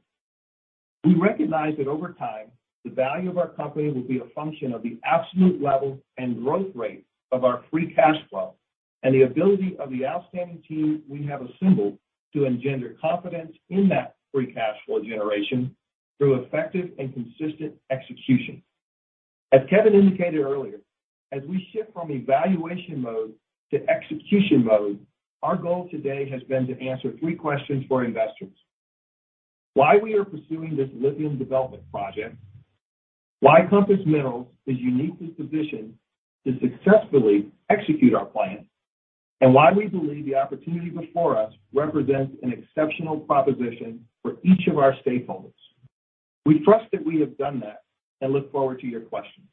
We recognize that over time, the value of our company will be a function of the absolute level and growth rate of our free cash flow and the ability of the outstanding team we have assembled to engender confidence in that free cash flow generation through effective and consistent execution. As Kevin indicated earlier, as we shift from evaluation mode to execution mode, our goal today has been to answer three questions for investors. Why we are pursuing this lithium development project, why Compass Minerals is uniquely positioned to successfully execute our plan, and why we believe the opportunity before us represents an exceptional proposition for each of our stakeholders. We trust that we have done that and look forward to your questions.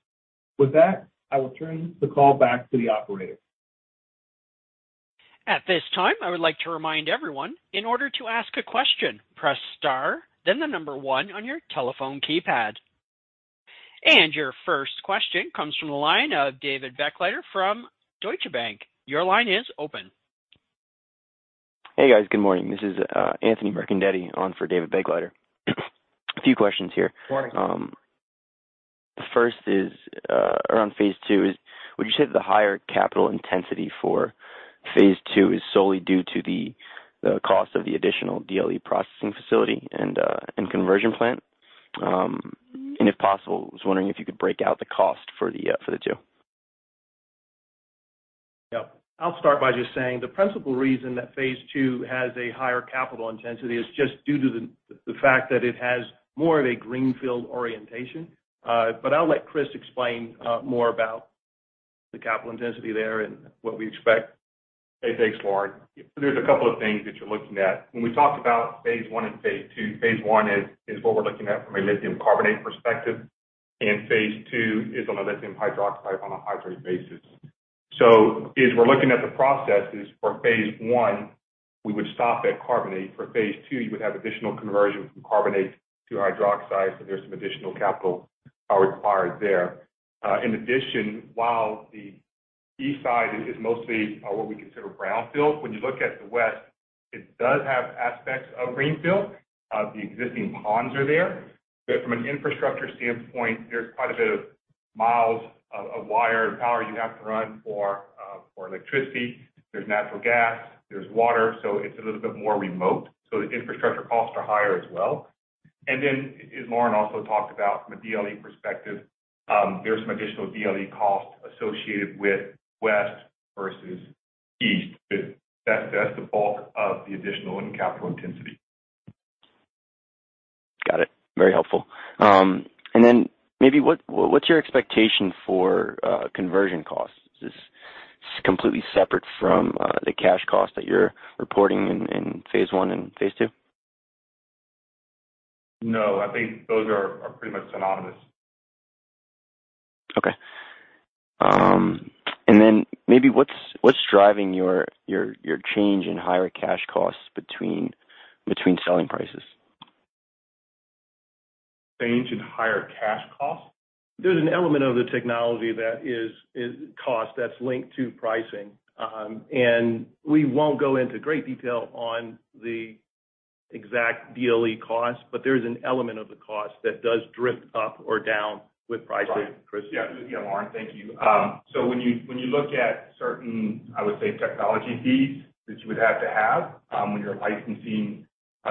With that, I will turn the call back to the operator. At this time, I would like to remind everyone, in order to ask a question, press * then the number 1 on your telephone keypad. Your first question comes from the line of David Begleiter from Deutsche Bank. Your line is open. Hey, guys. Good morning. This is Anthony Marchetti on for David Begleiter. A few questions here. Morning. First is around phase two. Would you say that the higher capital intensity for phase two is solely due to the cost of the additional DLE processing facility and conversion plant? If possible, I was wondering if you could break out the cost for the two? I'll start by just saying the principal reason that phase 2 has a higher capital intensity is just due to the fact that it has more of a greenfield orientation. I'll let Chris explain more about the capital intensity there and what we expect. Hey. Thanks, Lorin. There's a couple of things that you're looking at. When we talk about phase one and phase two, phase one is what we're looking at from a lithium carbonate perspective, and phase two is on a lithium hydroxide on a hydrate basis. So if we're looking at the processes for phase one, we would stop at carbonate. For phase two, you would have additional conversion from carbonate to hydroxide, so there's some additional capital are required there. In addition, while the east side is mostly what we consider brownfield, when you look at the west, it does have aspects of greenfield. The existing ponds are there. From an infrastructure standpoint, there's quite a bit of miles of wire and power you have to run for electricity. There's natural gas, there's water, so it's a little bit more remote. The infrastructure costs are higher as well. As Lorin also talked about from a DLE perspective, there's some additional DLE costs associated with west versus east. But that's the bulk of the additional in capital intensity. Got it. Very helpful. Maybe what's your expectation for conversion costs? Is this completely separate from the cash cost that you're reporting in phase one and phase two? No, I think those are pretty much synonymous. Okay. Maybe what's driving your change in higher cash costs between selling prices? Change in higher cash costs? There's an element of the technology that is cost that's linked to pricing. We won't go into great detail on the exact DLE cost, but there is an element of the cost that does drift up or down with prices. Chris? Lorin, thank you. So when you look at certain, I would say, technology fees that you would have to have when you're licensing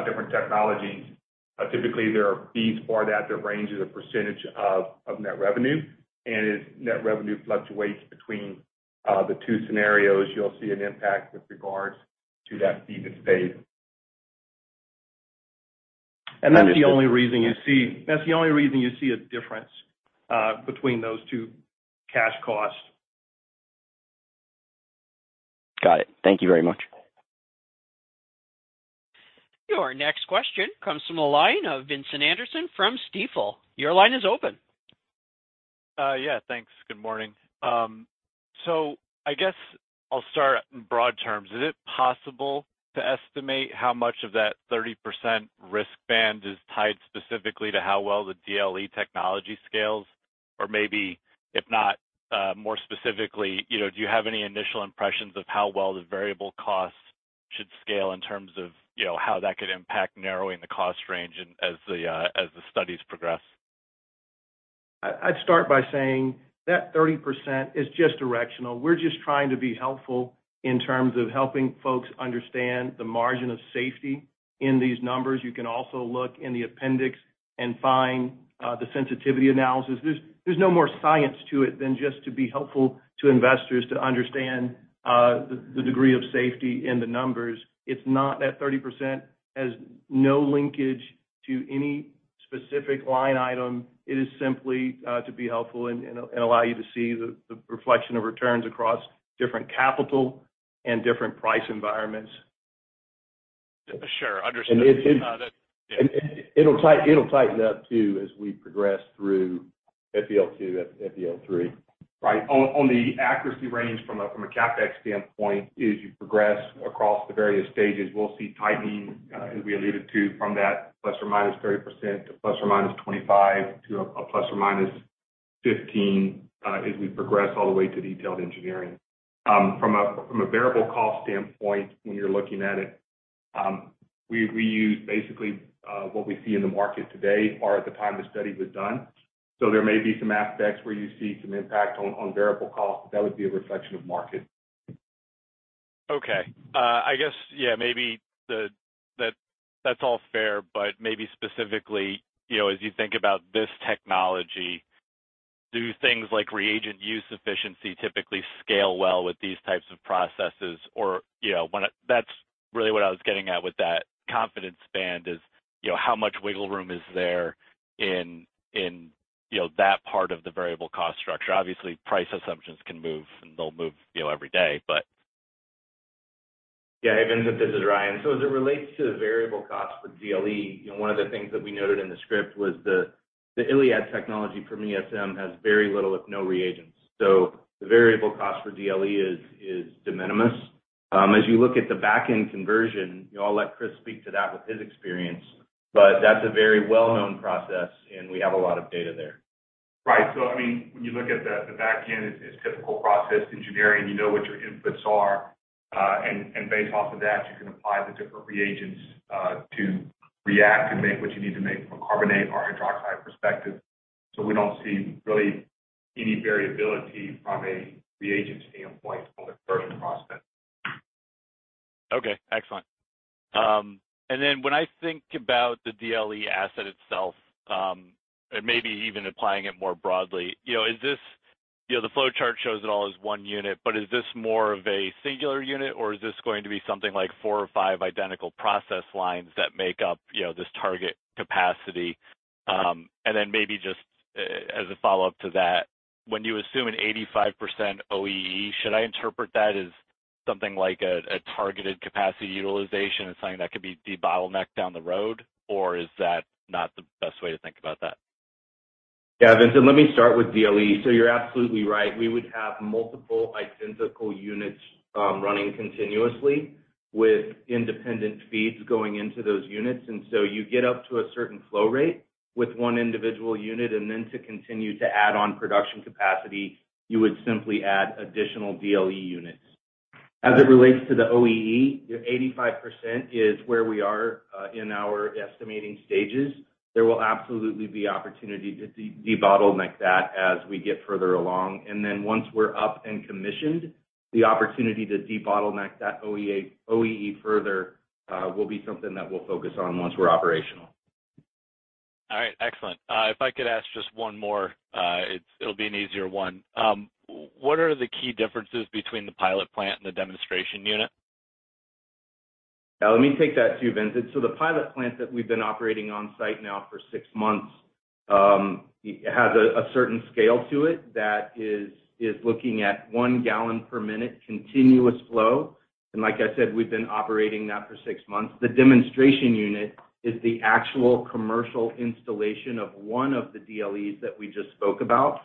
different technologies. Typically there are fees for that range as a percentage of net revenue. As net revenue fluctuates between the two scenarios, you'll see an impact with regards to that fee that's paid. That's the only reason you see a difference between those two cash costs. Got it. Thank you very much. Your next question comes from the line of Vincent Anderson from Stifel. Your line is open. ,Thanks. Good morning. I guess I'll start in broad terms. Is it possible to estimate how much of that 30% risk band is tied specifically to how well the DLE technology scales? Or maybe if not, more specifically, you know, do you have any initial impressions of how well the variable costs should scale in terms of, you know, how that could impact narrowing the cost range as the studies progress? I'd start by saying that 30% is just directional. We're just trying to be helpful in terms of helping folks understand the margin of safety in these numbers. You can also look in the appendix and find the sensitivity analysis. There's no more science to it than just to be helpful to investors to understand the degree of safety in the numbers. It's not that 30% has no linkage to any specific line item. It is simply to be helpful and allow you to see the reflection of returns across different capital and different price environments. Sure. Understood. It'll tighten up too, as we progress through FEL two, FEL three. Right. On the accuracy range from a CapEx standpoint, as you progress across the various stages, we'll see tightening, as we alluded to from that ±30% to ±25% to a ±15%, as we progress all the way to detailed engineering. From a variable cost standpoint, when you're looking at it, we use basically what we see in the market today or at the time the study was done. There may be some aspects where you see some impact on variable costs, but that would be a reflection of market. Okay. I guess,, maybe that's all fair, but maybe specifically, you know, as you think about this technology, do things like reagent use efficiency typically scale well with these types of processes? Or, you know, that's really what I was getting at with that confidence band is, you know, how much wiggle room is there in, you know, that part of the variable cost structure. Obviously, price assumptions can move, and they'll move, you know, every day, but. Hey, Vincent, this is Ryan. As it relates to the variable cost for DLE, you know, one of the things that we noted in the script was the ILiAD technology from ESM has very little, if any, reagents. The variable cost for DLE is de minimis. As you look at the backend conversion, I'll let Chris speak to that with his experience, but that's a very well-known process, and we have a lot of data there. Right. I mean, when you look at the backend, it's typical process engineering. You know what your inputs are. And based off of that, you can apply the different reagents to react and make what you need to make from a carbonate or a hydroxide perspective. We don't see really any variability from a reagent standpoint on the conversion process. Okay. Excellent. When I think about the DLE asset itself, and maybe even applying it more broadly, you know, the flowchart shows it all as one unit, but is this more of a singular unit, or is this going to be something like four or five identical process lines that make up, you know, this target capacity? Maybe just as a follow-up to that, when you assume an 85% OEE, should I interpret that as something like a targeted capacity utilization and something that could be debottlenecked down the road? Or is that not the best way to think about that? Vincent, let me start with DLE. You're absolutely right. We would have multiple identical units running continuously with independent feeds going into those units. You get up to a certain flow rate with one individual unit, and then to continue to add on production capacity, you would simply add additional DLE units. As it relates to the OEE, 85% is where we are in our estimating stages. There will absolutely be opportunity to debottleneck that as we get further along. Once we're up and commissioned, the opportunity to debottleneck that OEE further will be something that we'll focus on once we're operational. All right. Excellent. If I could ask just one more. It'll be an easier one. What are the key differences between the pilot plant and the demonstration unit? Let me take that too, Vincent. The pilot plant that we've been operating on site now for six months, it has a certain scale to it that is looking at 1 gallon per minute continuous flow. Like I said, we've been operating that for six months. The demonstration unit is the actual commercial installation of one of the DLEs that we just spoke about.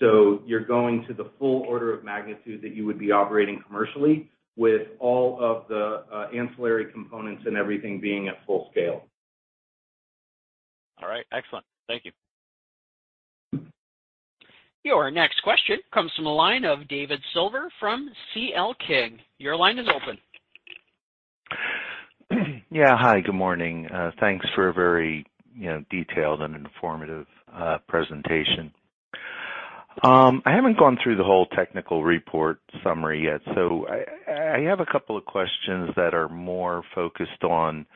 You're going to the full order of magnitude that you would be operating commercially with all of the ancillary components and everything being at full scale. All right. Excellent. Thank you. Your next question comes from the line of David Silver from C.L. King. Your line is open. Hi, good morning. Thanks for a very, you know, detailed and informative presentation. I haven't gone through the whole technical report summary yet, so I have a couple of questions that are more focused on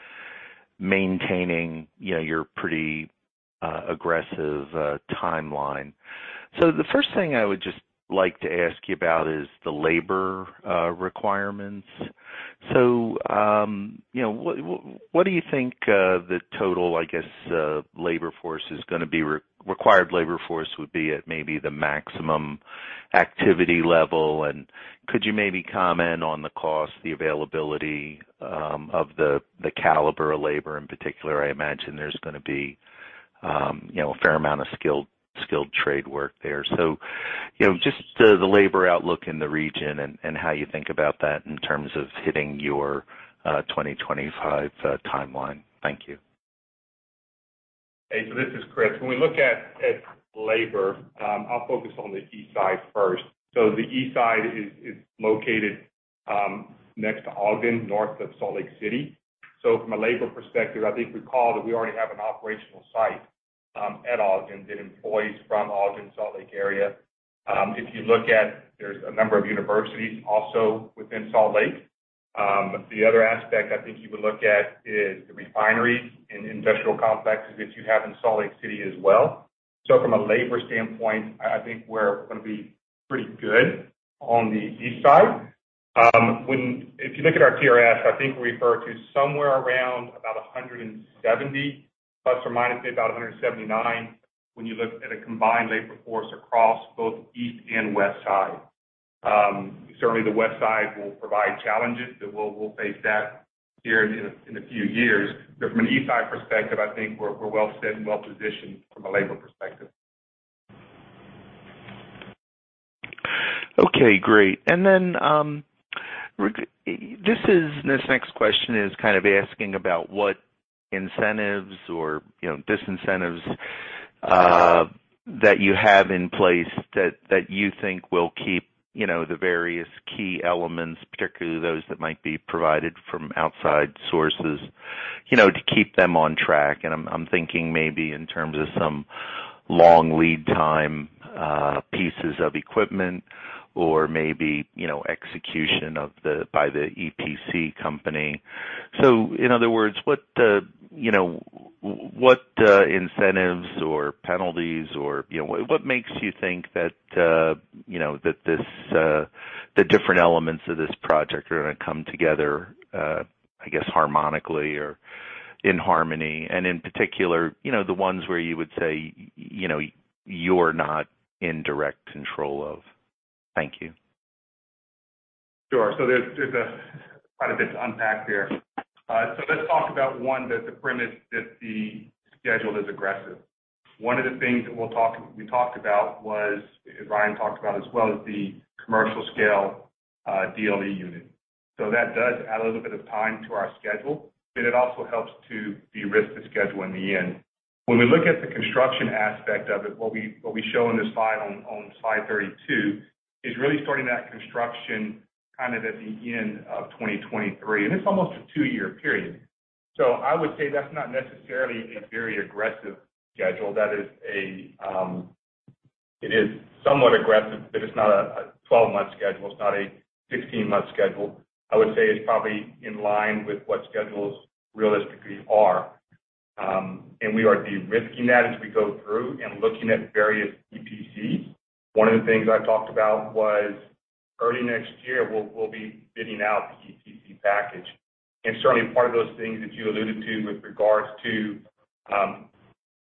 maintaining, you know, your pretty aggressive timeline. The first thing I would just like to ask you about is the labor requirements. What do you think the total, I guess, required labor force would be at maybe the maximum activity level? And could you maybe comment on the cost, the availability of the caliber of labor in particular? I imagine there's gonna be, you know, a fair amount of skilled trade work there. You know, just the labor outlook in the region and how you think about that in terms of hitting your 2025 timeline. Thank you. Hey, this is Chris. When we look at labor, I'll focus on the east side first. The east side is located next to Ogden, north of Salt Lake City. From a labor perspective, I recall that we already have an operational site at Ogden that employs from Ogden, Salt Lake area. If you look, there's a number of universities also within Salt Lake. The other aspect I think you would look at is the refineries and industrial complexes that you have in Salt Lake City as well. From a labor standpoint, I think we're gonna be pretty good on the east side. If you look at our TRS, I think we refer to somewhere around about 170, plus or minus maybe about 179 when you look at a combined labor force across both east and west side. Certainly the west side will provide challenges that we'll face here in a few years. From an east side perspective, I think we're well set and well positioned from a labor perspective. Okay, great. This next question is kind of asking about what incentives or, you know, disincentives, that you have in place that you think will keep, you know, the various key elements, particularly those that might be provided from outside sources, you know, to keep them on track. I'm thinking maybe in terms of some long lead time pieces of equipment or maybe, you know, execution by the EPC company. In other words, what, you know, what incentives or penalties or, you know, what makes you think that, you know, that this, the different elements of this project are gonna come together, I guess, harmonically or in harmony, and in particular, you know, the ones where you would say, you know, you're not in direct control of. Thank you. Sure. There's quite a bit to unpack there. Let's talk about the premise that the schedule is aggressive. One of the things that we talked about was, Ryan talked about as well, is the commercial scale DLE unit. That does add a little bit of time to our schedule, but it also helps to derisk the schedule in the end. When we look at the construction aspect of it, what we show in this slide on slide 32 is really starting that construction kind of at the end of 2023, and it's almost a 2-year period. I would say that's not necessarily a very aggressive schedule. It is somewhat aggressive, but it's not a 12-month schedule. It's not a 16-month schedule. I would say it's probably in line with what schedules realistically are. We are derisking that as we go through and looking at various EPCs. One of the things I talked about was early next year, we'll be bidding out the EPC package. Certainly part of those things that you alluded to with regards to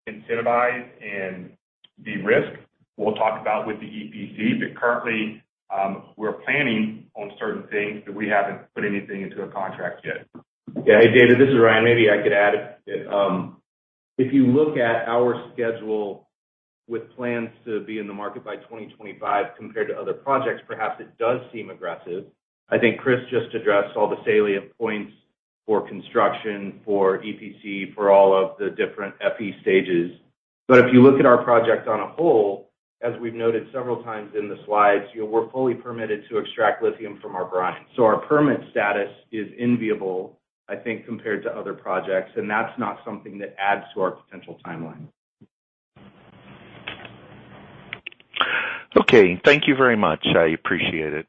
incentivize and derisk, we'll talk about with the EPCs, but currently, we're planning on certain things, but we haven't put anything into a contract yet. Hey, David, this is Ryan. Maybe I could add a bit. If you look at our schedule with plans to be in the market by 2025 compared to other projects, perhaps it does seem aggressive. I think Chris just addressed all the salient points for construction, for EPC, for all of the different FEL stages. If you look at our project as a whole, as we've noted several times in the slides, you know, we're fully permitted to extract lithium from our brine. Our permit status is enviable, I think, compared to other projects, and that's not something that adds to our potential timeline. Okay. Thank you very much. I appreciate it.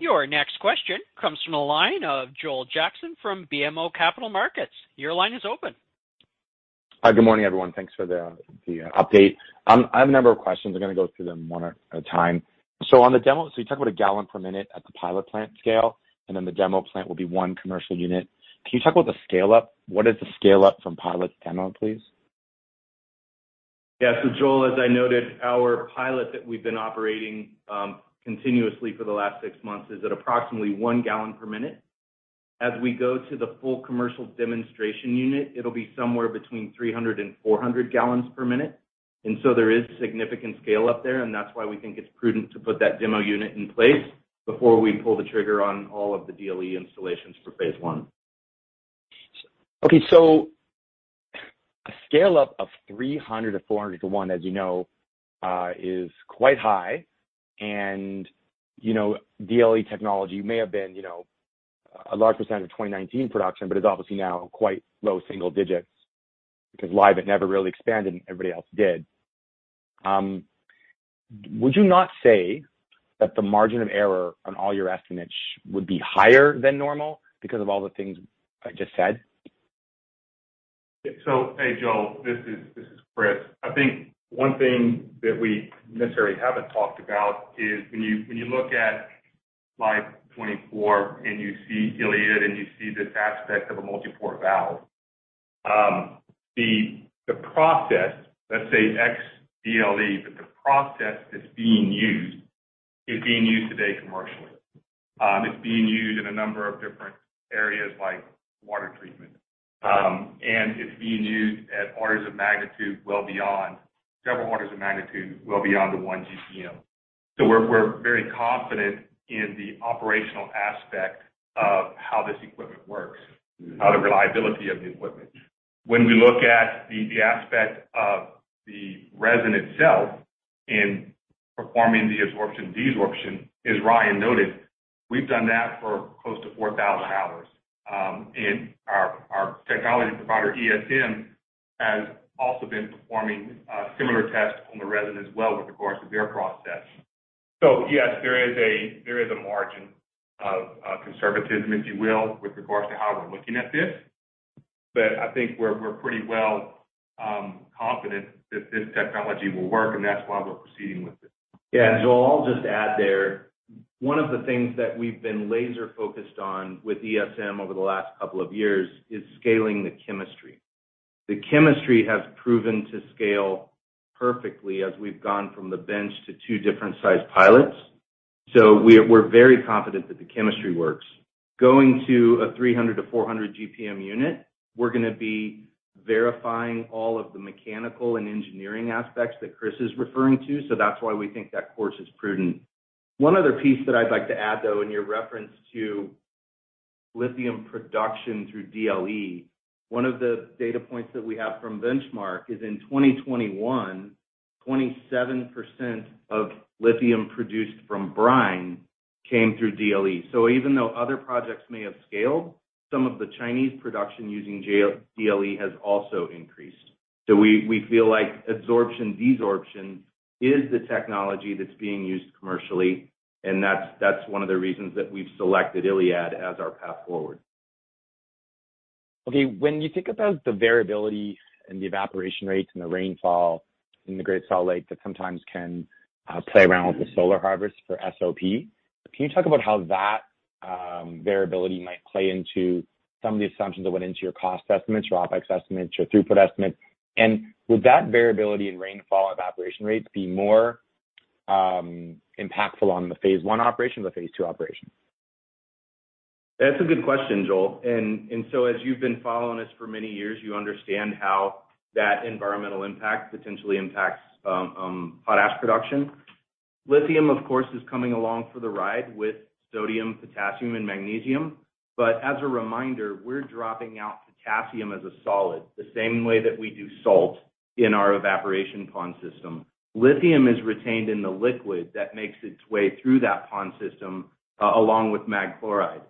Your next question comes from the line of Joel Jackson from BMO Capital Markets. Your line is open. Hi. Good morning, everyone. Thanks for the update. I have a number of questions. I'm gonna go through them one at a time. On the demo, you talk about a gallon per minute at the pilot plant scale, and then the demo plant will be one commercial unit. Can you talk about the scale-up? What is the scale-up from pilot to demo, please? Joel, as I noted, our pilot that we've been operating, continuously for the last six months is at approximately 1 gallon per minute. As we go to the full commercial demonstration unit, it'll be somewhere between 300-400 gallons per minute. There is significant scale up there, and that's why we think it's prudent to put that demo unit in place before we pull the trigger on all of the DLE installations for phase one. Okay. A scale-up of 300 to 400 to 1, as you know, is quite high. You know, DLE technology may have been, you know, a large percent of 2019 production, but it's obviously now quite low single digits because Livent never really expanded and everybody else did. Would you not say that the margin of error on all your estimates would be higher than normal because of all the things I just said? Hey, Joel, this is Chris. I think one thing that we necessarily haven't talked about is when you look at slide 24 and you see ILiAD and you see this aspect of a multi-port valve, the process, let's say ex DLE, but the process that's being used is being used today commercially. It's being used in a number of different areas like water treatment. It's being used at several orders of magnitude well beyond the 1 GPM. We're very confident in the operational aspect of how this equipment works, the reliability of the equipment. When we look at the aspect of the resin itself in performing the absorption, desorption, as Ryan noted, we've done that for close to 4,000 hours. Our technology provider, ESM, has also been performing similar tests on the resin as well with regards to their process. Yes, there is a margin of conservatism, if you will, with regards to how we're looking at this. I think we're pretty well confident that this technology will work, and that's why we're proceeding with it.. Joel, I'll just add there. One of the things that we've been laser-focused on with ESM over the last couple of years is scaling the chemistry. The chemistry has proven to scale perfectly as we've gone from the bench to two different sized pilots. We're very confident that the chemistry works. Going to a 300-400 GPM unit, we're gonna be verifying all of the mechanical and engineering aspects that Chris is referring to. That's why we think that course is prudent. One other piece that I'd like to add, though, in your reference to lithium production through DLE, one of the data points that we have from Benchmark is in 2021, 27% of lithium produced from brine came through DLE. Even though other projects may have scaled, some of the Chinese production using JL-DLE has also increased. We feel like absorption, desorption is the technology that's being used commercially, and that's one of the reasons that we've selected ILiAD as our path forward. Okay. When you think about the variability and the evaporation rates and the rainfall in the Great Salt Lake that sometimes can play around with the solar harvest for SOP, can you talk about how that variability might play into some of the assumptions that went into your cost estimates, your OpEx estimates, your throughput estimates? Would that variability in rainfall evaporation rates be more impactful on the phase one operation or the phase two operation? That's a good question, Joel. As you've been following us for many years, you understand how that environmental impact potentially impacts potash production. Lithium, of course, is coming along for the ride with sodium, potassium, and magnesium. As a reminder, we're dropping out potassium as a solid, the same way that we do salt in our evaporation pond system. Lithium is retained in the liquid that makes its way through that pond system, along with mag chloride.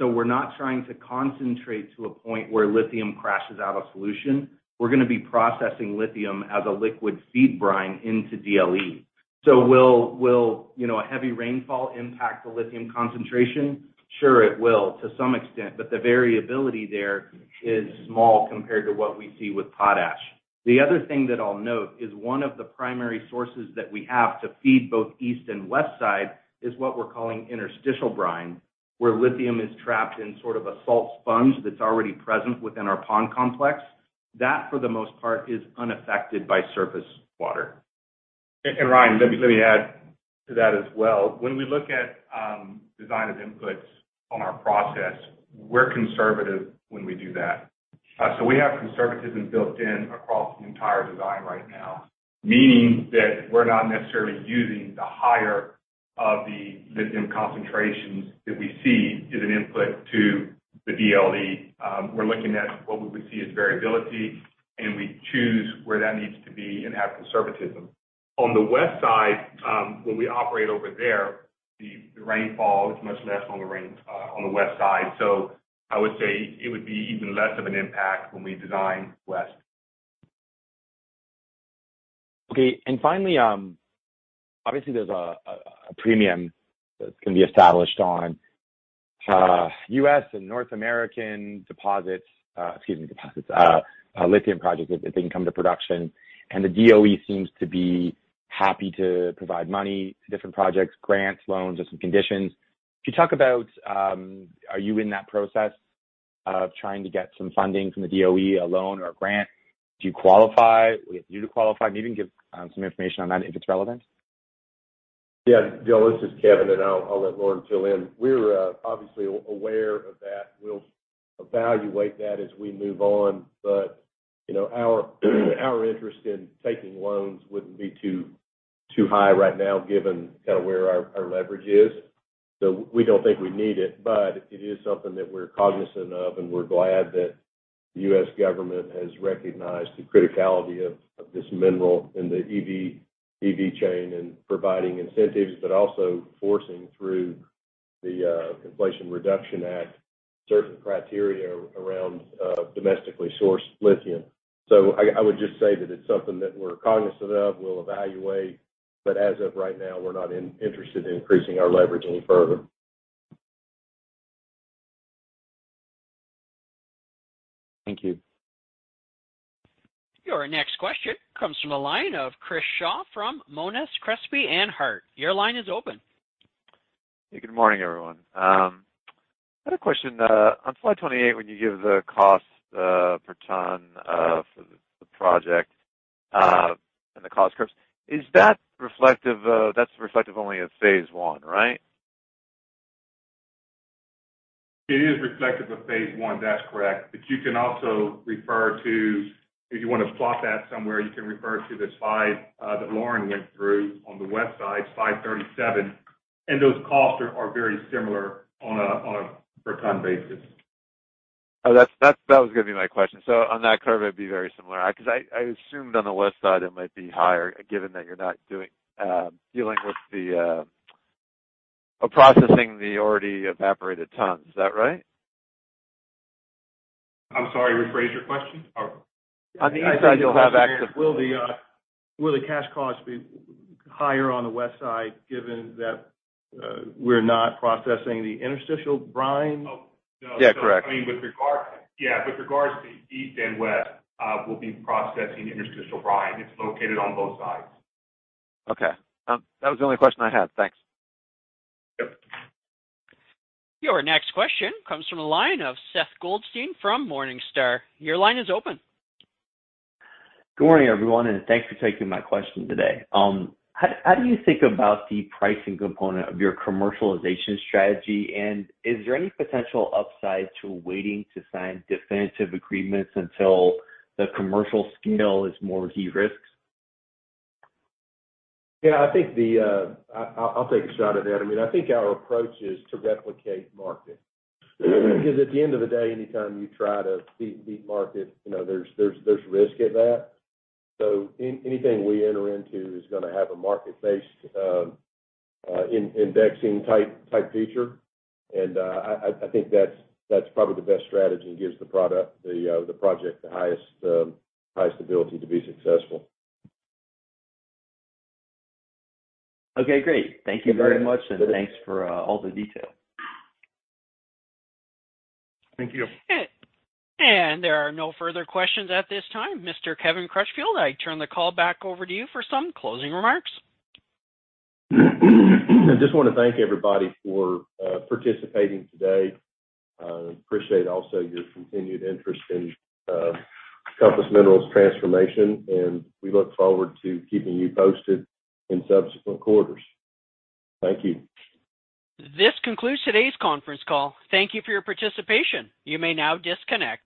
We're not trying to concentrate to a point where lithium crashes out of solution. We're gonna be processing lithium as a liquid feed brine into DLE. Will, you know, a heavy rainfall impact the lithium concentration? Sure, it will to some extent, but the variability there is small compared to what we see with potash. The other thing that I'll note is one of the primary sources that we have to feed both east and west side is what we're calling interstitial brine, where lithium is trapped in sort of a salt sponge that's already present within our pond complex. That, for the most part, is unaffected by surface water. Ryan, let me add to that as well. When we look at design as inputs on our process, we're conservative when we do that. We have conservatism built in across the entire design right now, meaning that we're not necessarily using the higher of the lithium concentrations that we see as an input to the DLE. We're looking at what we would see as variability, and we choose where that needs to be and have conservatism. On the west side, when we operate over there, the rainfall is much less on the range, on the west side. I would say it would be even less of an impact when we design west. Okay. Finally, obviously there's a premium that's gonna be established on U.S. and North American lithium projects if they can come to production. The DOE seems to be happy to provide money to different projects, grants, loans with some conditions. Could you talk about are you in that process of trying to get some funding from the DOE, a loan or a grant? Do you qualify? Would you qualify? Maybe you can give some information on that if it's relevant. Joel, this is Kevin, and I'll let Lorin fill in. We're obviously aware of that. We'll evaluate that as we move on. You know, our interest in taking loans wouldn't be too high right now given kinda where our leverage is. We don't think we need it, but it is something that we're cognizant of, and we're glad that the U.S. government has recognized the criticality of this mineral in the EV chain and providing incentives, but also forcing through the Inflation Reduction Act, certain criteria around domestically sourced lithium. I would just say that it's something that we're cognizant of, we'll evaluate, but as of right now we're not interested in increasing our leverage any further. Thank you. Your next question comes from the line of Chris Shaw from Monness, Crespi, Hardt & Co. Your line is open. Hey, good morning, everyone. I had a question. On slide 28 when you give the cost per ton for the project and the cost curves, is that reflective only of phase one, right? It is reflective of phase one, that's correct. You can also refer to. If you wanna plot that somewhere, you can refer to the slide that Lorin went through on the west side, slide 37, and those costs are very similar on a per ton basis. Oh, that's, that was gonna be my question. On that curve it'd be very similar. 'Cause I assumed on the west side it might be higher given that you're not doing dealing with the or processing the already evaporated tons. Is that right? I'm sorry, rephrase your question. On the east side you'll have access. Will the cash costs be higher on the west side given that we're not processing the interstitial brine? Oh, no. correct. I mean, with regards to east and west, we'll be processing interstitial brine. It's located on both sides. Okay. That was the only question I had. Thanks. Your next question comes from the line of Seth Goldstein from Morningstar. Your line is open. Good morning, everyone, and thanks for taking my question today. How do you think about the pricing component of your commercialization strategy? Is there any potential upside to waiting to sign definitive agreements until the commercial scale is more de-risked?, I think I'll take a shot at that. I mean, I think our approach is to replicate market. 'Cause at the end of the day, anytime you try to beat market, you know, there's risk in that. Anything we enter into is gonna have a market-based indexing type feature. I think that's probably the best strategy and gives the product, the project, the highest ability to be successful. Okay, great. You bet. Thank you very much, and thanks for all the detail. Thank you. There are no further questions at this time. Mr. Kevin Crutchfield, I turn the call back over to you for some closing remarks. I just wanna thank everybody for participating today. Appreciate also your continued interest in Compass Minerals' transformation, and we look forward to keeping you posted in subsequent quarters. Thank you. This concludes today's conference call. Thank you for your participation. You may now disconnect.